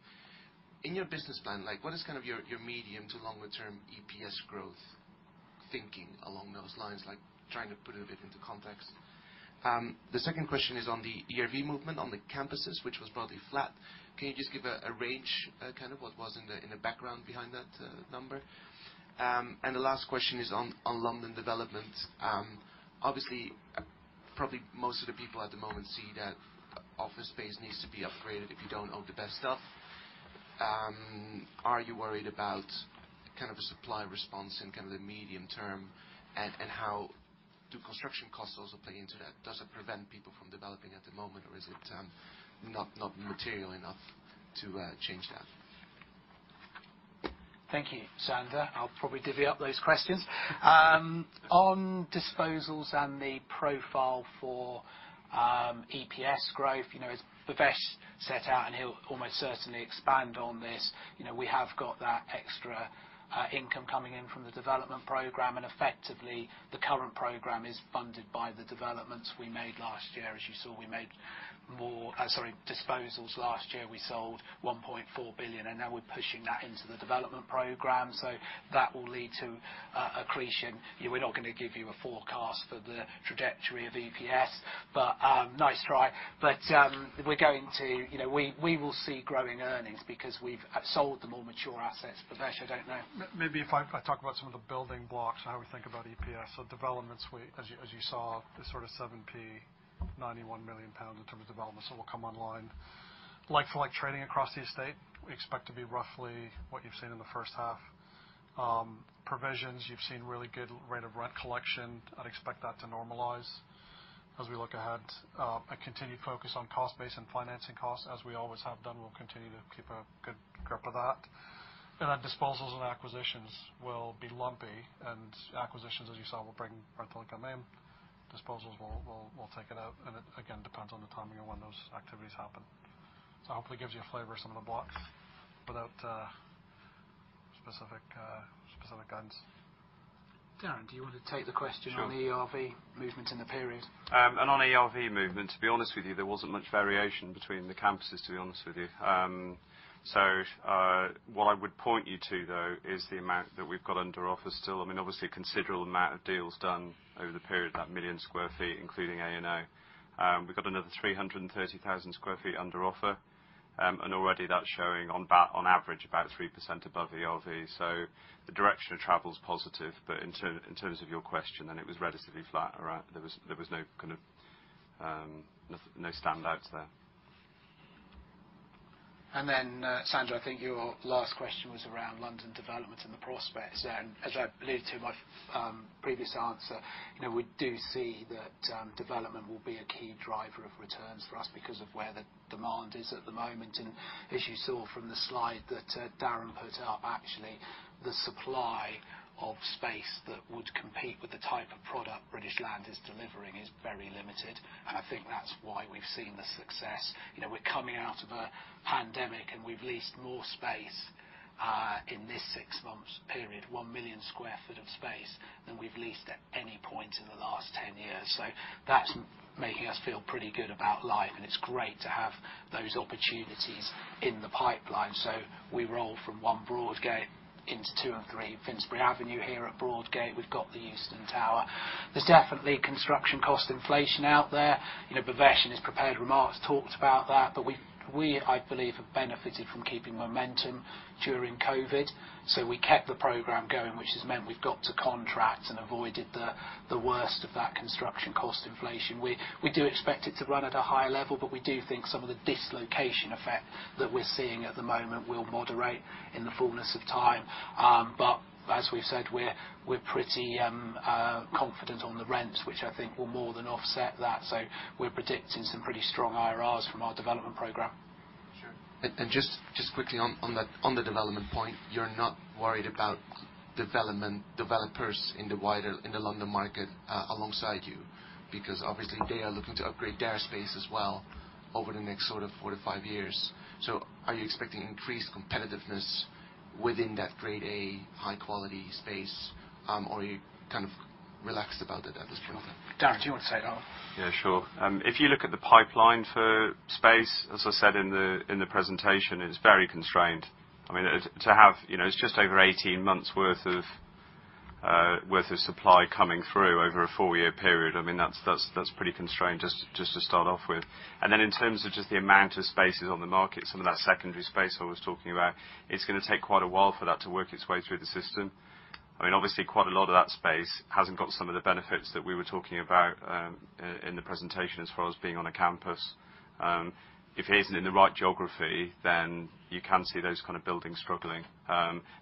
In your business plan, like, what is kind of your medium to longer term EPS growth thinking along those lines? Like, trying to put a bit into context. The second question is on the ERV movement on the Campuses, which was broadly flat. Can you just give a range, kind of what was in the background behind that number? The last question is on London development. Obviously, probably most of the people at the moment see that office space needs to be upgraded if you don't own the best stuff. Are you worried about kind of a supply response in kind of the medium term, and how do construction costs also play into that? Does it prevent people from developing at the moment, or is it not material enough to change that? Thank you, Sander. I'll probably divvy up those questions. On disposals and the profile for EPS growth, you know, as Bhavesh set out, and he'll almost certainly expand on this, you know, we have got that extra income coming in from the development programme, and effectively, the current programme is funded by the developments we made last year. As you saw, we made disposals last year, we sold 1.4 billion, and now we're pushing that into the development programme, so that will lead to accretion. You know, we're not gonna give you a forecast for the trajectory of EPS, but nice try. You know, we will see growing earnings because we've sold the more mature assets. Bhavesh, I don't know. Maybe if I talk about some of the building blocks and how we think about EPS. Developments, as you saw, the sort of 0.007, 91 million pounds in terms of developments that will come online. Like-for-like trading across the estate, we expect to be roughly what you've seen in the first half. Provisions, you've seen really good rate of rent collection. I'd expect that to normalize as we look ahead. A continued focus on cost base and financing costs, as we always have done. We'll continue to keep a good grip of that. Disposals and acquisitions will be lumpy, and acquisitions, as you saw, will bring rental income in. Disposals will take it out, and it again depends on the timing of when those activities happen. Hopefully gives you a flavor of some of the blocks without specific guidance. Darren, do you want to take the question? Sure. On the ERV movement in the period? On ERV movement, to be honest with you, there wasn't much variation between the Campuses, to be honest with you. What I would point you to, though, is the amount that we've got under offer still. I mean, obviously, a considerable amount of deals done over the period, 1 million sq ft, including A&O. We've got another 330,000 sq ft under offer, and already that's showing on average about 3% above ERV. The direction of travel's positive, but in terms of your question, it was relatively flat around. There was no kind of standouts there. Then, Sander, I think your last question was around London development and the prospects there. As I alluded to in my previous answer, you know, we do see that development will be a key driver of returns for us because of where the demand is at the moment. As you saw from the slide that Darren put up, actually, the supply of space that would compete with the type of product British Land is delivering is very limited, and I think that's why we've seen the success. You know, we're coming out of a pandemic, and we've leased more space in this six-month period, 1 million sq ft of space, than we've leased at any point in the last 10 years. That's making us feel pretty good about life, and it's great to have those opportunities in the pipeline. We roll from 1 Broadgate into 2 and 3 Finsbury Avenue here at Broadgate. We've got the Euston Tower. There's definitely construction cost inflation out there. You know, Bhavesh, in his prepared remarks, talked about that. We, I believe, have benefited from keeping momentum during COVID. We kept the programme going, which has meant we've got to contract and avoided the worst of that construction cost inflation. We do expect it to run at a higher level, but we do think some of the dislocation effect that we're seeing at the moment will moderate in the fullness of time. As we've said, we're pretty confident on the rents, which I think will more than offset that. We're predicting some pretty strong IRRs from our development programme. Sure. Just quickly on the development point, you're not worried about development developers in the wider London market alongside you? Because obviously they are looking to upgrade their space as well over the next sort of four to five years. Are you expecting increased competitiveness within that Grade A high quality space, or are you kind of relaxed about it at this point? Darren, do you want to say it? Yeah, sure. If you look at the pipeline for space, as I said in the presentation, it's very constrained. I mean, to have, you know, it's just over 18 months worth of supply coming through over a four-year period. I mean, that's pretty constrained just to start off with. In terms of just the amount of spaces on the market, some of that secondary space I was talking about, it's gonna take quite a while for that to work its way through the system. I mean, obviously quite a lot of that space hasn't got some of the benefits that we were talking about in the presentation as far as being on a campus. If it isn't in the right geography, then you can see those kind of buildings struggling.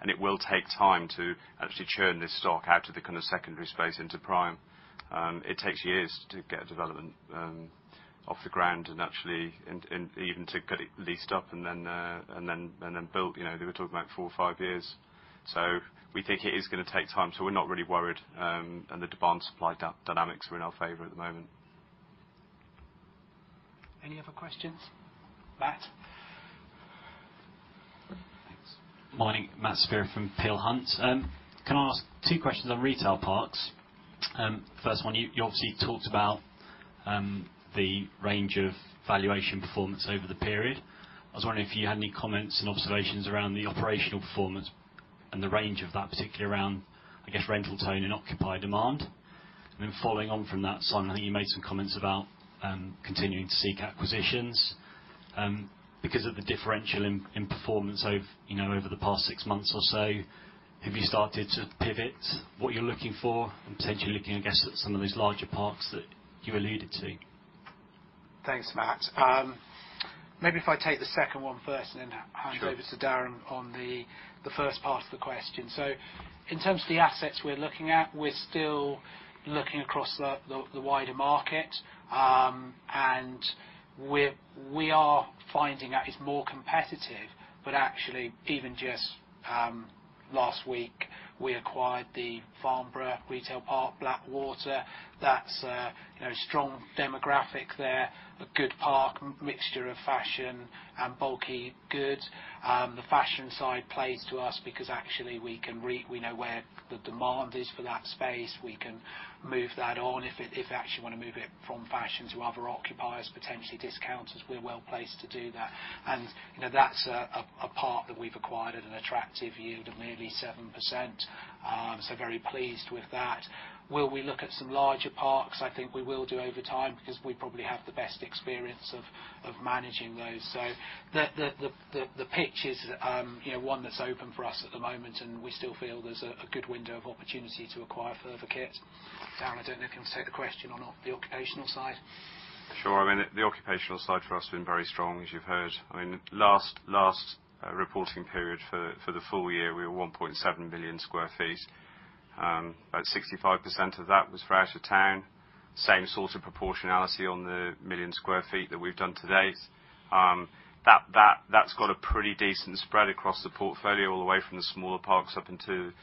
It will take time to actually churn this stock out of the kind of secondary space into prime. It takes years to get a development off the ground and actually even to get it leased up and then built, you know, they were talking about four or five years. We think it is gonna take time, so we're not really worried. The demand-supply dynamics are in our favor at the moment. Any other questions? Matt? Thanks. Morning. Matt Saperia from Peel Hunt. Can I ask two questions on Retail Parks? First one, you obviously talked about the range of valuation performance over the period. I was wondering if you had any comments and observations around the operational performance and the range of that, particularly around, I guess, rental tone and occupied demand. Then following on from that, Simon, I think you made some comments about continuing to seek acquisitions because of the differential in performance over, you know, over the past six months or so. Have you started to pivot what you're looking for and potentially looking, I guess, at some of those larger parks that you alluded to? Thanks, Matt. Maybe if I take the second one first and then hand over to Darren on the first part of the question. Sure. In terms of the assets we're looking at, we're still looking across the wider market, and we are finding that it's more competitive. Actually, even just last week, we acquired the Farnborough Retail Park, Blackwater. That's, you know, a strong demographic there, a good park, mixture of fashion and bulky goods. The fashion side plays to us because actually we know where the demand is for that space. We can move that on if they actually wanna move it from fashion to other occupiers, potentially discounters, we're well placed to do that. You know, that's a park that we've acquired at an attractive yield of nearly 7%, so very pleased with that. Will we look at some larger parks? I think we will do over time because we probably have the best experience of managing those. The pitch is, you know, one that's open for us at the moment, and we still feel there's a good window of opportunity to acquire further kit. Darren, I don't know if you can take the question or not, the occupational side. Sure. I mean, the occupational side for us has been very strong, as you've heard. I mean, last reporting period for the full year, we were 1.7 million sq ft. About 65% of that was for out of town. Same sort of proportionality on the 1 million sq ft that we've done to date. That's got a pretty decent spread across the portfolio, all the way from the smaller parks up to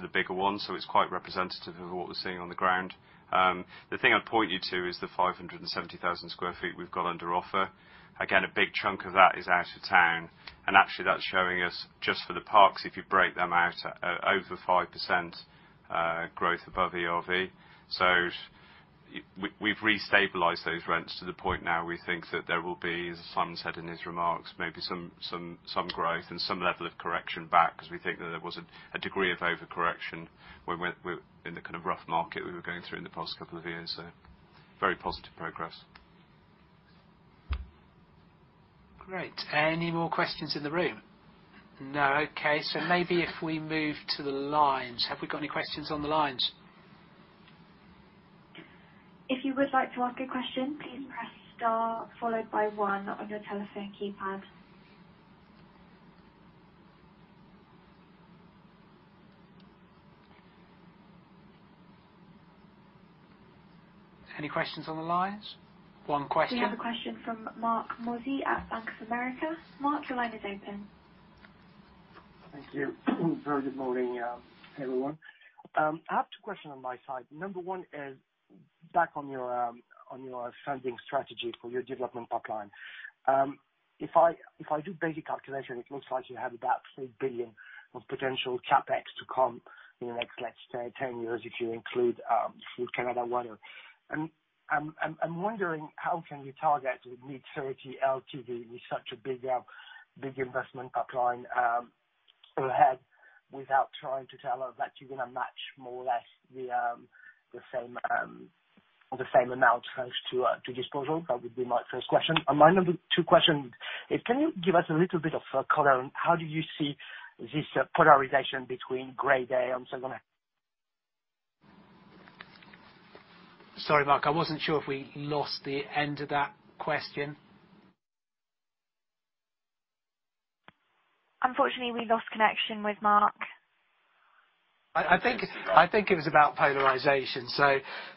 the bigger ones. It's quite representative of what we're seeing on the ground. The thing I'd point you to is the 570,000 sq ft we've got under offer. Again, a big chunk of that is out of town, and actually that's showing us, just for the parks, if you break them out, over 5% growth above ERV. We've restabilized those rents to the point now we think that there will be, as Simon said in his remarks, maybe some growth and some level of correction back, because we think that there was a degree of overcorrection when we're in the kind of rough market we were going through in the past couple of years. Very positive progress. Great. Any more questions in the room? No. Okay. Maybe if we move to the lines. Have we got any questions on the lines? If you would like to ask a question, please press star followed by one on your telephone keypad. Any questions on the lines? One question. We have a question from Marc Mozzi at Bank of America. Marc, your line is open. Thank you. Very good morning, everyone. I have two question on my side. Number one is back on your funding strategy for your development pipeline. If I do basic calculation, it looks like you have about 3 billion of potential CapEx to come in the next, let's say, 10 years if you include [Food, Canada Water]. I'm wondering how can you target mid-30s LTV with such a big investment pipeline ahead without trying to tell that you're gonna match more or less the same amount as to disposal. That would be my first question. My number two question is, can you give us a little bit of color on how do you see this polarization between Grade A and [polarization]? Sorry, Marc. I wasn't sure if we lost the end of that question? Unfortunately, we lost connection with Mark. I think it was about polarization.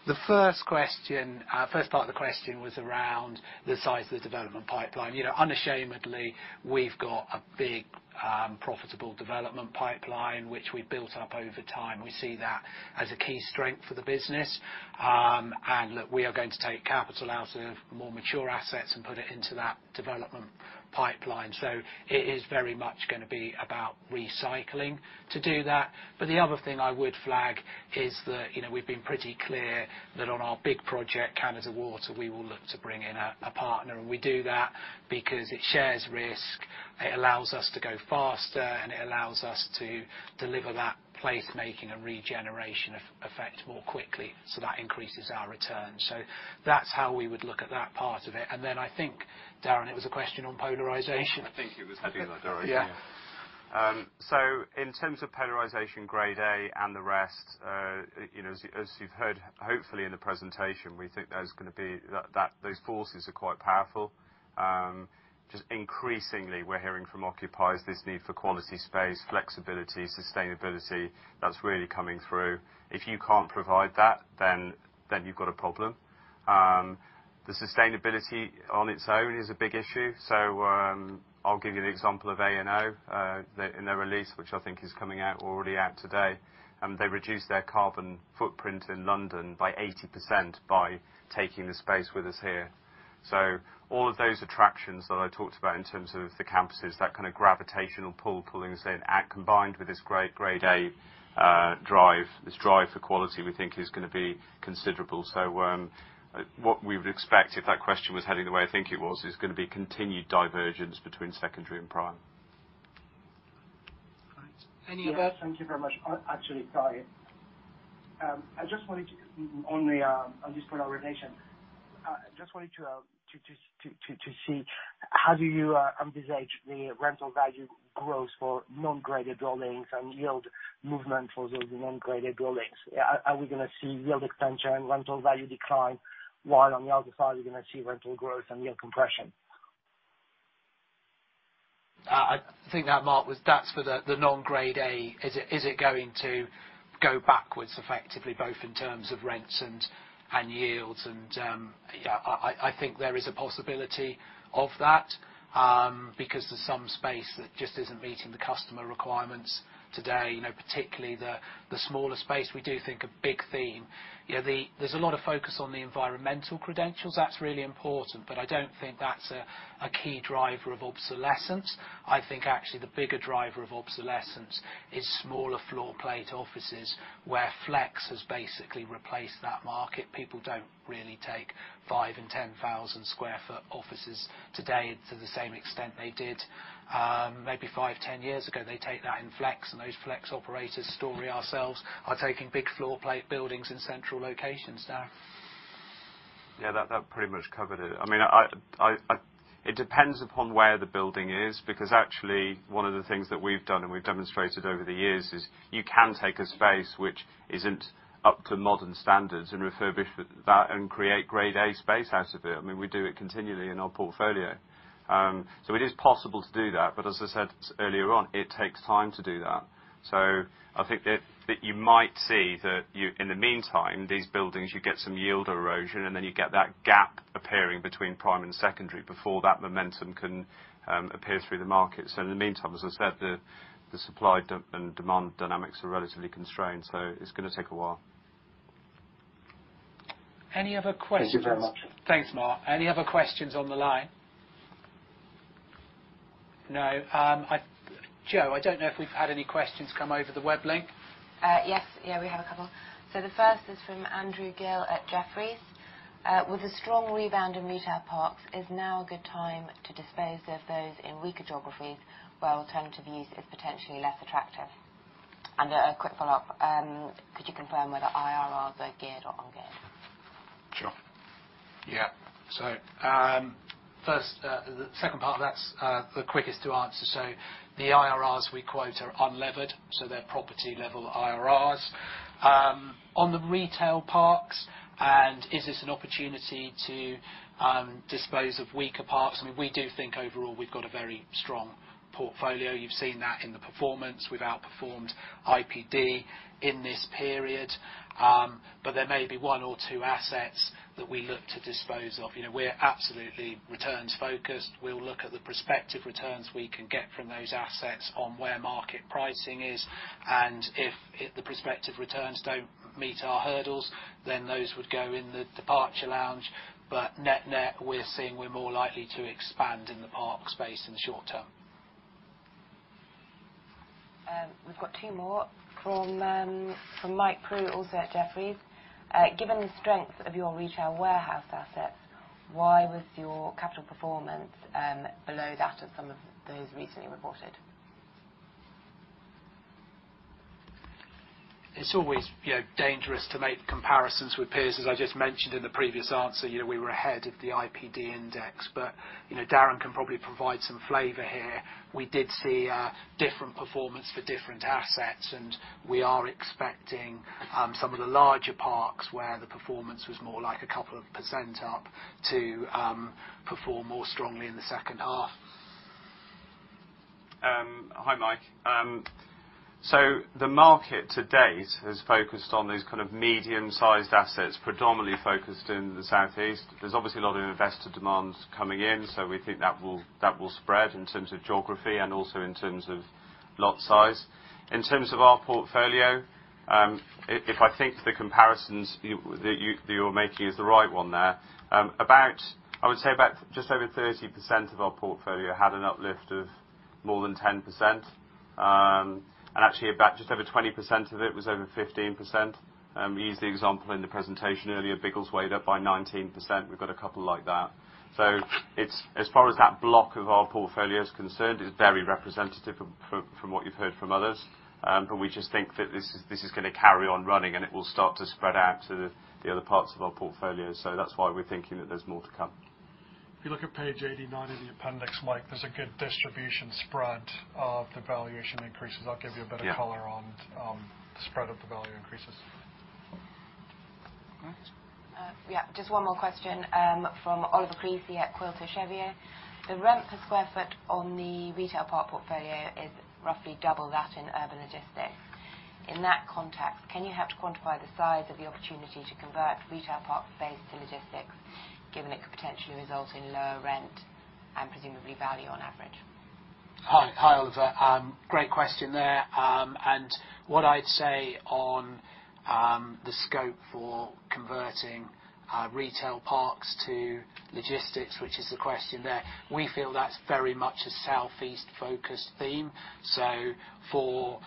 The first question, first part of the question was around the size of the development pipeline. You know, unashamedly, we've got a big, profitable development pipeline which we built up over time. We see that as a key strength for the business. Look, we are going to take capital out of more mature assets and put it into that development pipeline. It is very much gonna be about recycling to do that. The other thing I would flag is that, you know, we've been pretty clear that on our big project, Canada Water, we will look to bring in a partner. We do that because it shares risk, it allows us to go faster, and it allows us to deliver that placemaking and regeneration effect more quickly. That increases our return. That's how we would look at that part of it. Then I think, Darren, it was a question on polarization. I think it was heading in that direction. Yeah. In terms of polarization, Grade A and the rest, you know, as you've heard, hopefully in the presentation, we think those forces are quite powerful. Just increasingly we're hearing from occupiers this need for quality space, flexibility, sustainability. That's really coming through. If you can't provide that, then you've got a problem. The sustainability on its own is a big issue. I'll give you the example of A&O in their release, which I think is coming out or already out today. They reduced their carbon footprint in London by 80% by taking the space with us here. All of those attractions that I talked about in terms of the Campuses, that kind of gravitational pull, pulling us in, and combined with this Grade A drive, this drive for quality we think is gonna be considerable. What we would expect, if that question was heading the way I think it was, is gonna be continued divergence between secondary and prime. All right. Any of that. Yeah. Thank you very much. Actually, sorry. I just wanted to only on this polarization to see how do you envisage the rental value growth for non-Grade A buildings and yield movement for those non-Grade A buildings? Are we gonna see yield expansion and rental value decline, while on the other side we're gonna see rental growth and yield compression? I think that Marc was, that's for the non-Grade A. Is it going to go backwards effectively, both in terms of rents and yields and, I think there is a possibility of that, because there's some space that just isn't meeting the customer requirements today. You know, particularly the smaller space, we do think a big theme. You know, there's a lot of focus on the environmental credentials. That's really important, but I don't think that's a key driver of obsolescence. I think actually the bigger driver of obsolescence is smaller floor plate offices, where flex has basically replaced that market. People don't really take 5,000 sq ft and 10,000 sq ft offices today to the same extent they did, maybe five, 10 years ago. They take that in flex, and those flex operators, Storey ourselves, are taking big floor plate buildings in central locations. Darren? Yeah, that pretty much covered it. I mean, it depends upon where the building is, because actually one of the things that we've done and we've demonstrated over the years is you can take a space which isn't up to modern standards and refurbish that and create Grade A space out of it. I mean, we do it continually in our portfolio. So it is possible to do that, but as I said earlier on, it takes time to do that. So I think that you might see that, in the meantime, these buildings, you get some yield erosion, and then you get that gap appearing between prime and secondary before that momentum can appear through the market. So in the meantime, as I said, the supply and demand dynamics are relatively constrained, so it's gonna take a while. Any other questions? Thank you very much. Thanks, Marc. Any other questions on the line? No. Jo, I don't know if we've had any questions come over the web link. Yes. We have a couple. The first is from Andrew Gill at Jefferies. With a strong rebound in Retail Parks, is now a good time to dispose of those in weaker geographies where alternative use is potentially less attractive? And a quick follow-up. Could you confirm whether IRRs are geared or ungeared? Sure. Yeah, first, the second part of that's the quickest to answer. The IRRs we quote are unlevered, so they're property level IRRs. On the Retail Parks, and is this an opportunity to dispose of weaker parks, I mean, we do think overall we've got a very strong portfolio. You've seen that in the performance. We've outperformed IPD in this period. There may be one or two assets that we look to dispose of. You know, we're absolutely returns focused. We'll look at the prospective returns we can get from those assets on where market pricing is, and if the prospective returns don't meet our hurdles, then those would go in the departure lounge. Net-net, we're seeing we're more likely to expand in the park space in the short term. We've got two more from Mike Prew, also at Jefferies. Given the strength of your retail warehouse assets, why was your capital performance below that of some of those recently reported? It's always, you know, dangerous to make comparisons with peers. As I just mentioned in the previous answer, you know, we were ahead of the IPD index, but, you know, Darren can probably provide some flavor here. We did see different performance for different assets, and we are expecting some of the larger parks where the performance was more like a couple of percent up to perform more strongly in the second half. Hi, Mike. The market to date has focused on these kind of medium-sized assets, predominantly focused in the Southeast. There's obviously a lot of investor demands coming in, so we think that will spread in terms of geography and also in terms of lot size. In terms of our portfolio, if I think the comparisons you're making is the right one there, I would say just over 30% of our portfolio had an uplift of more than 10%. Actually, just over 20% of it was over 15%. You used the example in the presentation earlier, Biggleswade, up by 19%. We've got a couple like that. It's, as far as that block of our portfolio is concerned, it's very representative of, from what you've heard from others. We just think that this is gonna carry on running, and it will start to spread out to the other parts of our portfolio. That's why we're thinking that there's more to come. If you look at Page 89 in the appendix, Mike, there's a good distribution spread of the valuation increases. I'll give you a bit. Yeah... of color on, the spread of the value increases. All right. Yeah, just one more question from Oliver Creasey at Quilter Cheviot. The rent per square foot on the retail park portfolio is roughly double that in Urban Logistics. In that context, can you help to quantify the size of the opportunity to convert retail park space to logistics, given it could potentially result in lower rent and presumably value on average? Hi. Hi, Oliver. Great question there. What I'd say on the scope for converting retail parks to logistics, which is the question there, we feel that's very much a Southeast-focused theme. For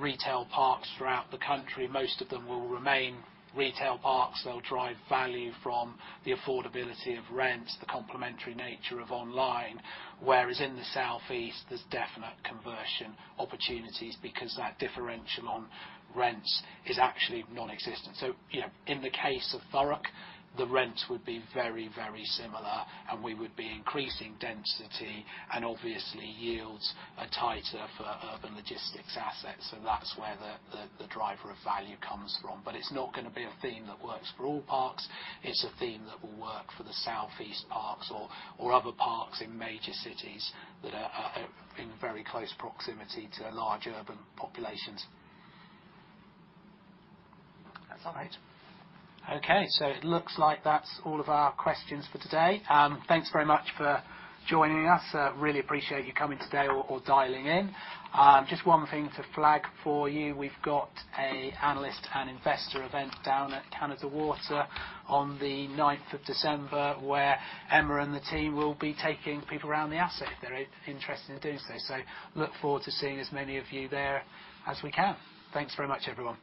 retail parks throughout the country, most of them will remain retail parks. They'll drive value from the affordability of rents, the complementary nature of online. Whereas in the Southeast, there's definite conversion opportunities because that differential on rents is actually nonexistent. You know, in the case of Thurrock, the rents would be very, very similar, and we would be increasing density and obviously yields are tighter for Urban Logistics assets, so that's where the driver of value comes from. It's not gonna be a theme that works for all parks. It's a theme that will work for the Southeast parks or other parks in major cities that are in very close proximity to large urban populations. That's all, mate. Okay, it looks like that's all of our questions for today. Thanks very much for joining us. Really appreciate you coming today or dialing in. Just one thing to flag for you. We've got an analyst and investor event down at Canada Water on the ninth of December, where Emma and the team will be taking people around the asset if they're interested in doing so. Look forward to seeing as many of you there as we can. Thanks very much, everyone.